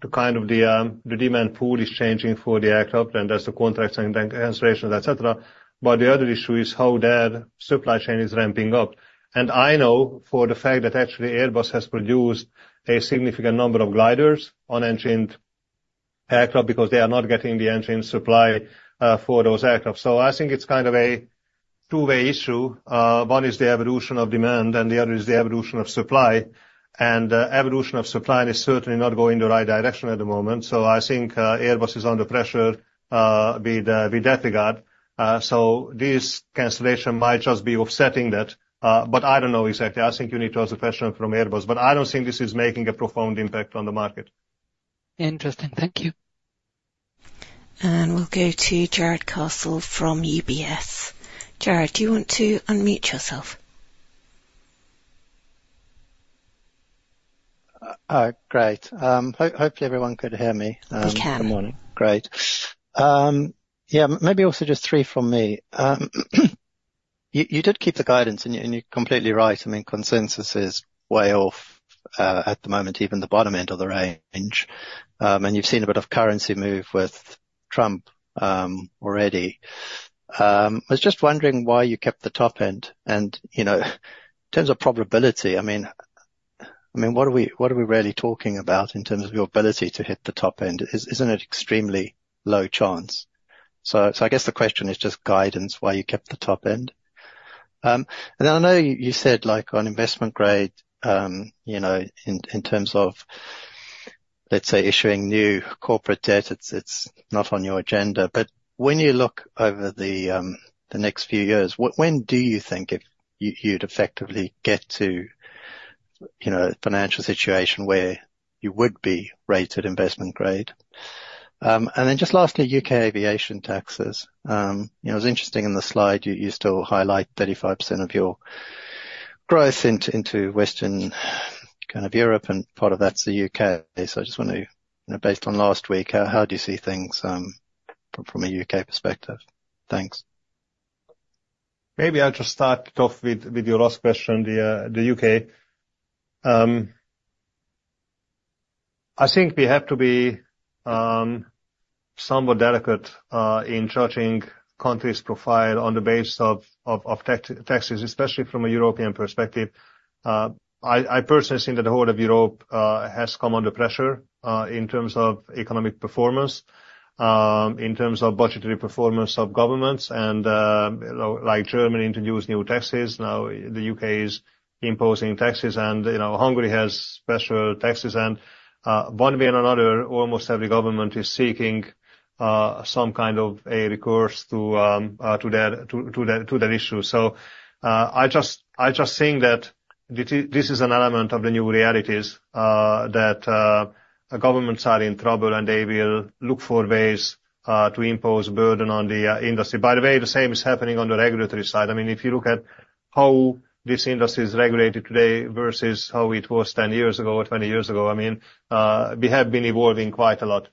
the kind of demand pool is changing for the aircraft and as the contracts and cancellations, etc., but the other issue is how their supply chain is ramping up. And I know for a fact that actually Airbus has produced a significant number of gliders, unengined aircraft, because they are not getting the engine supply for those aircraft. So I think it's kind of a two-way issue. One is the evolution of demand, and the other is the evolution of supply. And the evolution of supply is certainly not going the right direction at the moment. So I think Airbus is under pressure in that regard. So this cancellation might just be offsetting that. But I don't know exactly. I think you need to ask the question from Airbus. But I don't think this is making a profound impact on the market. Interesting. Thank you. And we'll go to Jarrod Castle from UBS. Jarrod, do you want to unmute yourself? Great. Hopefully, everyone could hear me. We can. Good morning. Great. Yeah. Maybe also just three from me. You did keep the guidance, and you're completely right. I mean, consensus is way off at the moment, even the bottom end of the range. And you've seen a bit of currency move with Trump already. I was just wondering why you kept the top end. And in terms of probability, I mean, what are we really talking about in terms of your ability to hit the top end? Isn't it extremely low chance? So I guess the question is just guidance, why you kept the top end. And then I know you said on investment grade, in terms of, let's say, issuing new corporate debt, it's not on your agenda. But when you look over the next few years, when do you think you'd effectively get to a financial situation where you would be rated investment grade? And then just lastly, U.K. aviation taxes. It was interesting in the slide you still highlight 35% of your growth into Western kind of Europe, and part of that's the U.K. So I just want to, based on last week, how do you see things from a U.K. perspective? Thanks. Maybe I'll just start off with your last question, the U.K. I think we have to be somewhat delicate in judging countries' profile on the basis of taxes, especially from a European perspective. I personally think that the whole of Europe has come under pressure in terms of economic performance, in terms of budgetary performance of governments. Like Germany introduced new taxes, now the U.K. is imposing taxes, and Hungary has special taxes. One way or another, almost every government is seeking some kind of a recourse to that issue. I just think that this is an element of the new realities that governments are in trouble, and they will look for ways to impose a burden on the industry. By the way, the same is happening on the regulatory side. I mean, if you look at how this industry is regulated today versus how it was 10 years ago or 20 years ago, I mean, we have been evolving quite a lot.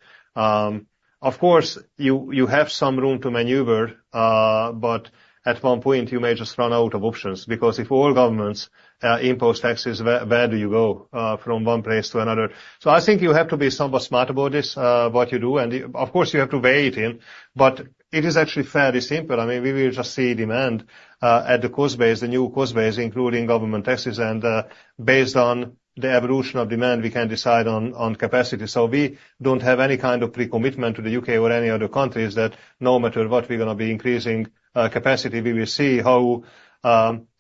Of course, you have some room to maneuver, but at one point, you may just run out of options because if all governments impose taxes, where do you go from one place to another? So I think you have to be somewhat smart about this, what you do. And of course, you have to weigh it in. But it is actually fairly simple. I mean, we will just see demand at the new cost base, including government taxes. And based on the evolution of demand, we can decide on capacity. So we don't have any kind of pre-commitment to the U.K. or any other countries that no matter what, we're going to be increasing capacity. We will see how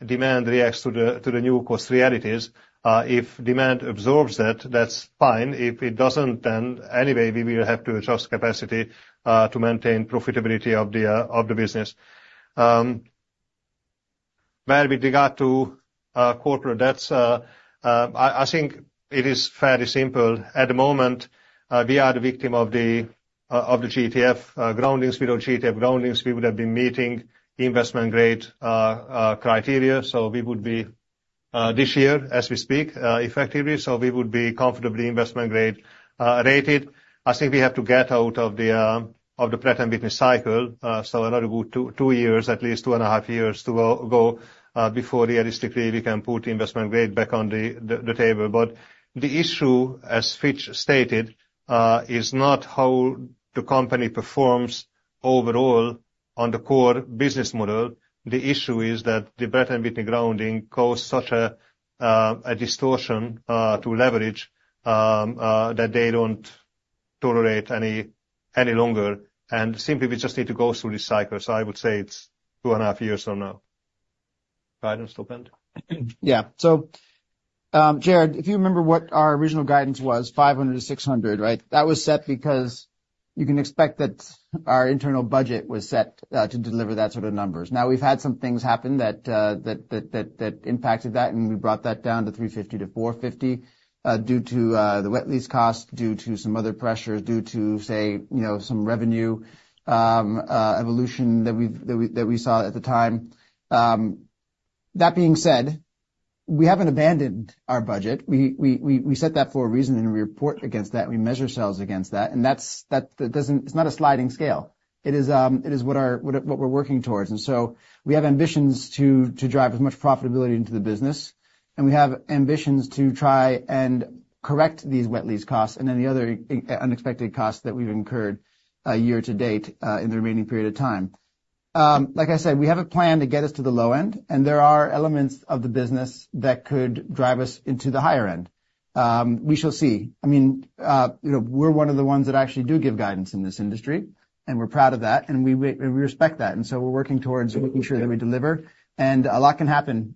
demand reacts to the new cost realities. If demand absorbs that, that's fine. If it doesn't, then anyway, we will have to adjust capacity to maintain profitability of the business. Where with regard to corporate debts, I think it is fairly simple. At the moment, we are the victim of the GTF groundings. Without GTF groundings, we would have been meeting investment-grade criteria. So we would be this year, as we speak, effectively. So we would be comfortably investment-grade rated. I think we have to get out of the Pratt & Whitney cycle. So another two years, at least two and a half years to go before realistically we can put investment grade back on the table. But the issue, as Fitch stated, is not how the company performs overall on the core business model. The issue is that the Pratt & Whitney grounding caused such a distortion to leverage that they don't tolerate any longer. And simply, we just need to go through this cycle. So I would say it's two and a half years from now. Guidance to end. Yeah. So Jared, if you remember what our original guidance was, 500-600, right? That was set because you can expect that our internal budget was set to deliver that sort of numbers. Now, we've had some things happen that impacted that, and we brought that down to 350-450 due to the wet lease cost, due to some other pressures, due to, say, some revenue evolution that we saw at the time. That being said, we haven't abandoned our budget. We set that for a reason, and we report against that. We measure sales against that. And it's not a sliding scale. It is what we're working towards. And so we have ambitions to drive as much profitability into the business. And we have ambitions to try and correct these wet lease costs and any other unexpected costs that we've incurred year to date in the remaining period of time. Like I said, we have a plan to get us to the low end, and there are elements of the business that could drive us into the higher end. We shall see. I mean, we're one of the ones that actually do give guidance in this industry, and we're proud of that, and we respect that. And so we're working towards making sure that we deliver. And a lot can happen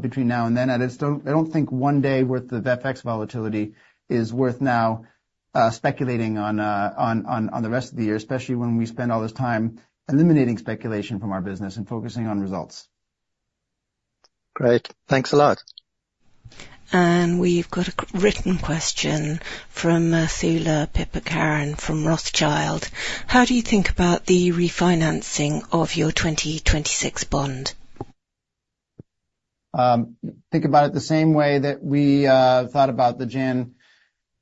between now and then. I don't think one day's worth the FX volatility is worth now speculating on the rest of the year, especially when we spend all this time eliminating speculation from our business and focusing on results. Great. Thanks a lot. And we've got a written question from Thulah Piper Karen from Rothschild. How do you think about the refinancing of your 2026 bond? Think about it the same way that we thought about the Jan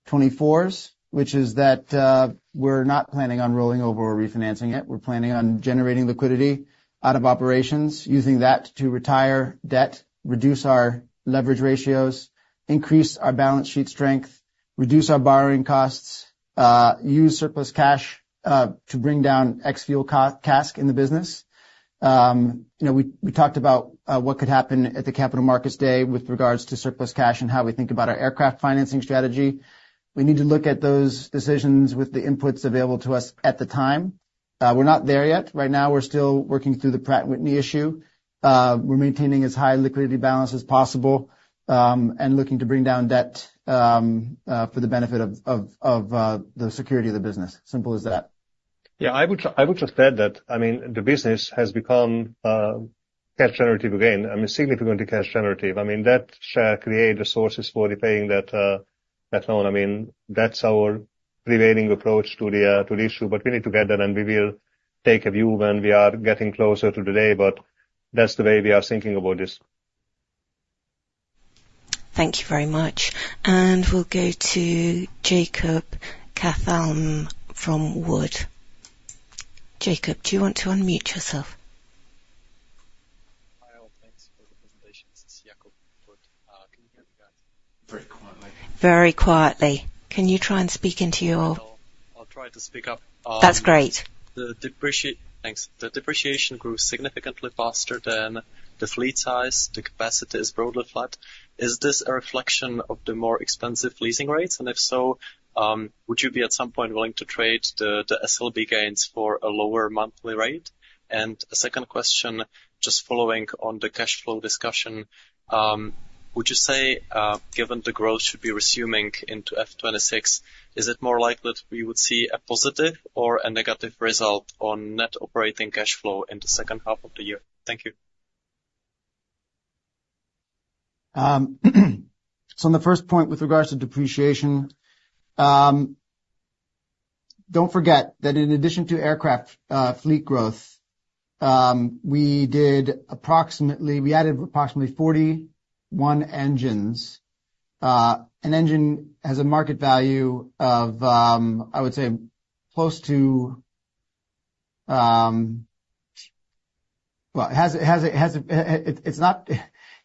24s, which is that we're not planning on rolling over or refinancing it. We're planning on generating liquidity out of operations, using that to retire debt, reduce our leverage ratios, increase our balance sheet strength, reduce our borrowing costs, use surplus cash to bring down ex-fuel CASK in the business. We talked about what could happen at the capital markets day with regards to surplus cash and how we think about our aircraft financing strategy. We need to look at those decisions with the inputs available to us at the time. We're not there yet. Right now, we're still working through the Pratt & Whitney issue. We're maintaining as high liquidity balance as possible and looking to bring down debt for the benefit of the security of the business. Simple as that. Yeah. I would just add that, I mean, the business has become cash generative again. I mean, significantly cash generative. I mean, that shall create resources for repaying that loan. I mean, that's our prevailing approach to the issue. But we need to get that, and we will take a view when we are getting closer to the day. But that's the way we are thinking about this. Thank you very much. And we'll go to Jakub Caithaml from Wood & Company. Jakub, do you want to unmute yourself? Hi. Thanks for the presentation. This is Jakub Caithaml. Can you hear me? Very quietly. Can you try and speak into your? I'll try to speak up. That's great. Thanks. The depreciation grew significantly faster than the fleet size. The capacity is broadly flat. Is this a reflection of the more expensive leasing rates? If so, would you be at some point willing to trade the SLB gains for a lower monthly rate? A second question, just following on the cash flow discussion, would you say, given the growth should be resuming into F2026, is it more likely that we would see a positive or a negative result on net operating cash flow in the second half of the year? Thank you. On the first point with regards to depreciation, don't forget that in addition to aircraft fleet growth, we added approximately 41 engines. An engine has a market value of, I would say, close to, well,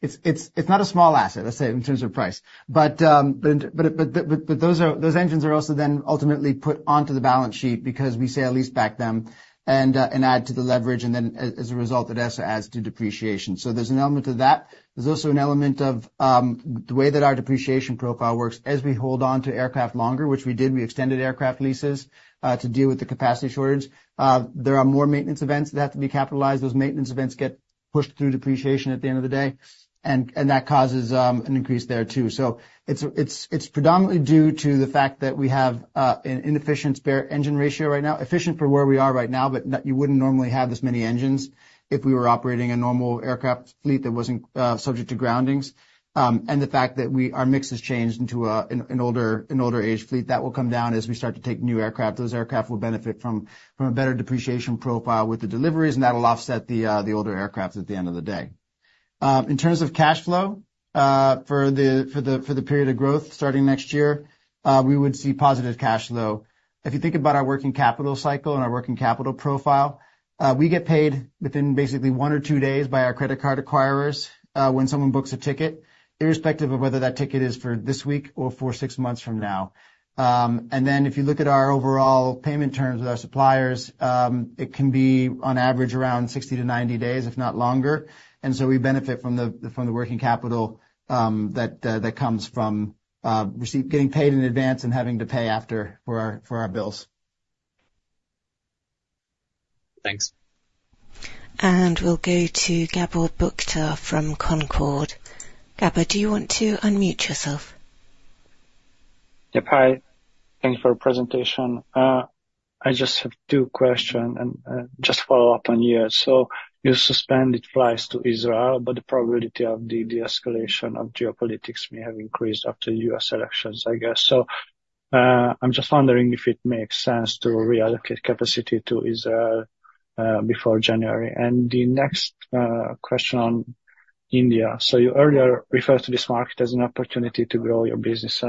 it's not a small asset, let's say, in terms of price. But those engines are also then ultimately put onto the balance sheet because we sale-leaseback them and add to the leverage. And then, as a result, it also adds to depreciation. So there's an element to that. There's also an element of the way that our depreciation profile works as we hold on to aircraft longer, which we did. We extended aircraft leases to deal with the capacity shortage. There are more maintenance events that have to be capitalized. Those maintenance events get pushed through depreciation at the end of the day. And that causes an increase there too. So it's predominantly due to the fact that we have an inefficient spare engine ratio right now, efficient for where we are right now, but you wouldn't normally have this many engines if we were operating a normal aircraft fleet that wasn't subject to groundings. And the fact that our mix has changed into an older age fleet, that will come down as we start to take new aircraft. Those aircraft will benefit from a better depreciation profile with the deliveries, and that will offset the older aircraft at the end of the day. In terms of cash flow for the period of growth starting next year, we would see positive cash flow. If you think about our working capital cycle and our working capital profile, we get paid within basically one or two days by our credit card acquirers when someone books a ticket, irrespective of whether that ticket is for this week or for six months from now. And then if you look at our overall payment terms with our suppliers, it can be on average around 60-90 days, if not longer. And so we benefit from the working capital that comes from getting paid in advance and having to pay after for our bills. Thanks. And we'll go to Gábor Bukta from Concorde. Gábor, do you want to unmute yourself? Yep. Hi. Thanks for the presentation. I just have two questions and just follow up on you. So you suspended flights to Israel, but the probability of the de-escalation of geopolitics may have increased after the U.S. elections, I guess. So I'm just wondering if it makes sense to reallocate capacity to Israel before January. And the next question on India. So you earlier referred to this market as an opportunity to grow your business.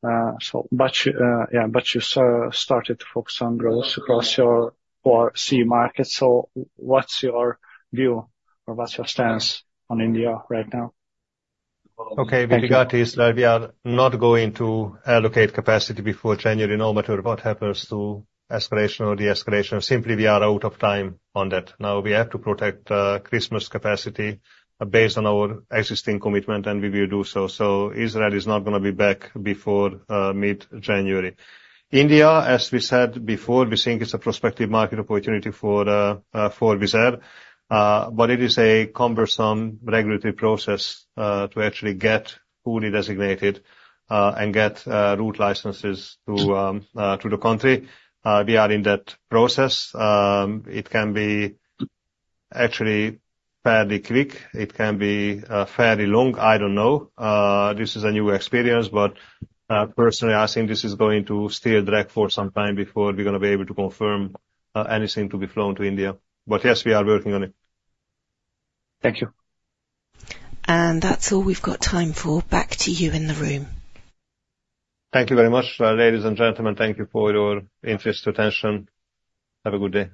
But you started to focus on growth across your core CEE market. So what's your view or what's your stance on India right now? Okay. With regard to Israel, we are not going to allocate capacity before January no matter what happens to escalation or de-escalation. Simply, we are out of time on that. Now, we have to protect Christmas capacity based on our existing commitment, and we will do so. So Israel is not going to be back before mid-January. India, as we said before, we think it's a prospective market opportunity for Wizz. But it is a cumbersome regulatory process to actually get fully designated and get route licenses to the country. We are in that process. It can be actually fairly quick. It can be fairly long. I don't know. This is a new experience, but personally, I think this is going to stay indirect for some time before we're going to be able to confirm anything to be flown to India. But yes, we are working on it. Thank you. And that's all we've got time for. Back to you in the room. Thank you very much, ladies and gentlemen. Thank you for your interest, attention. Have a good day.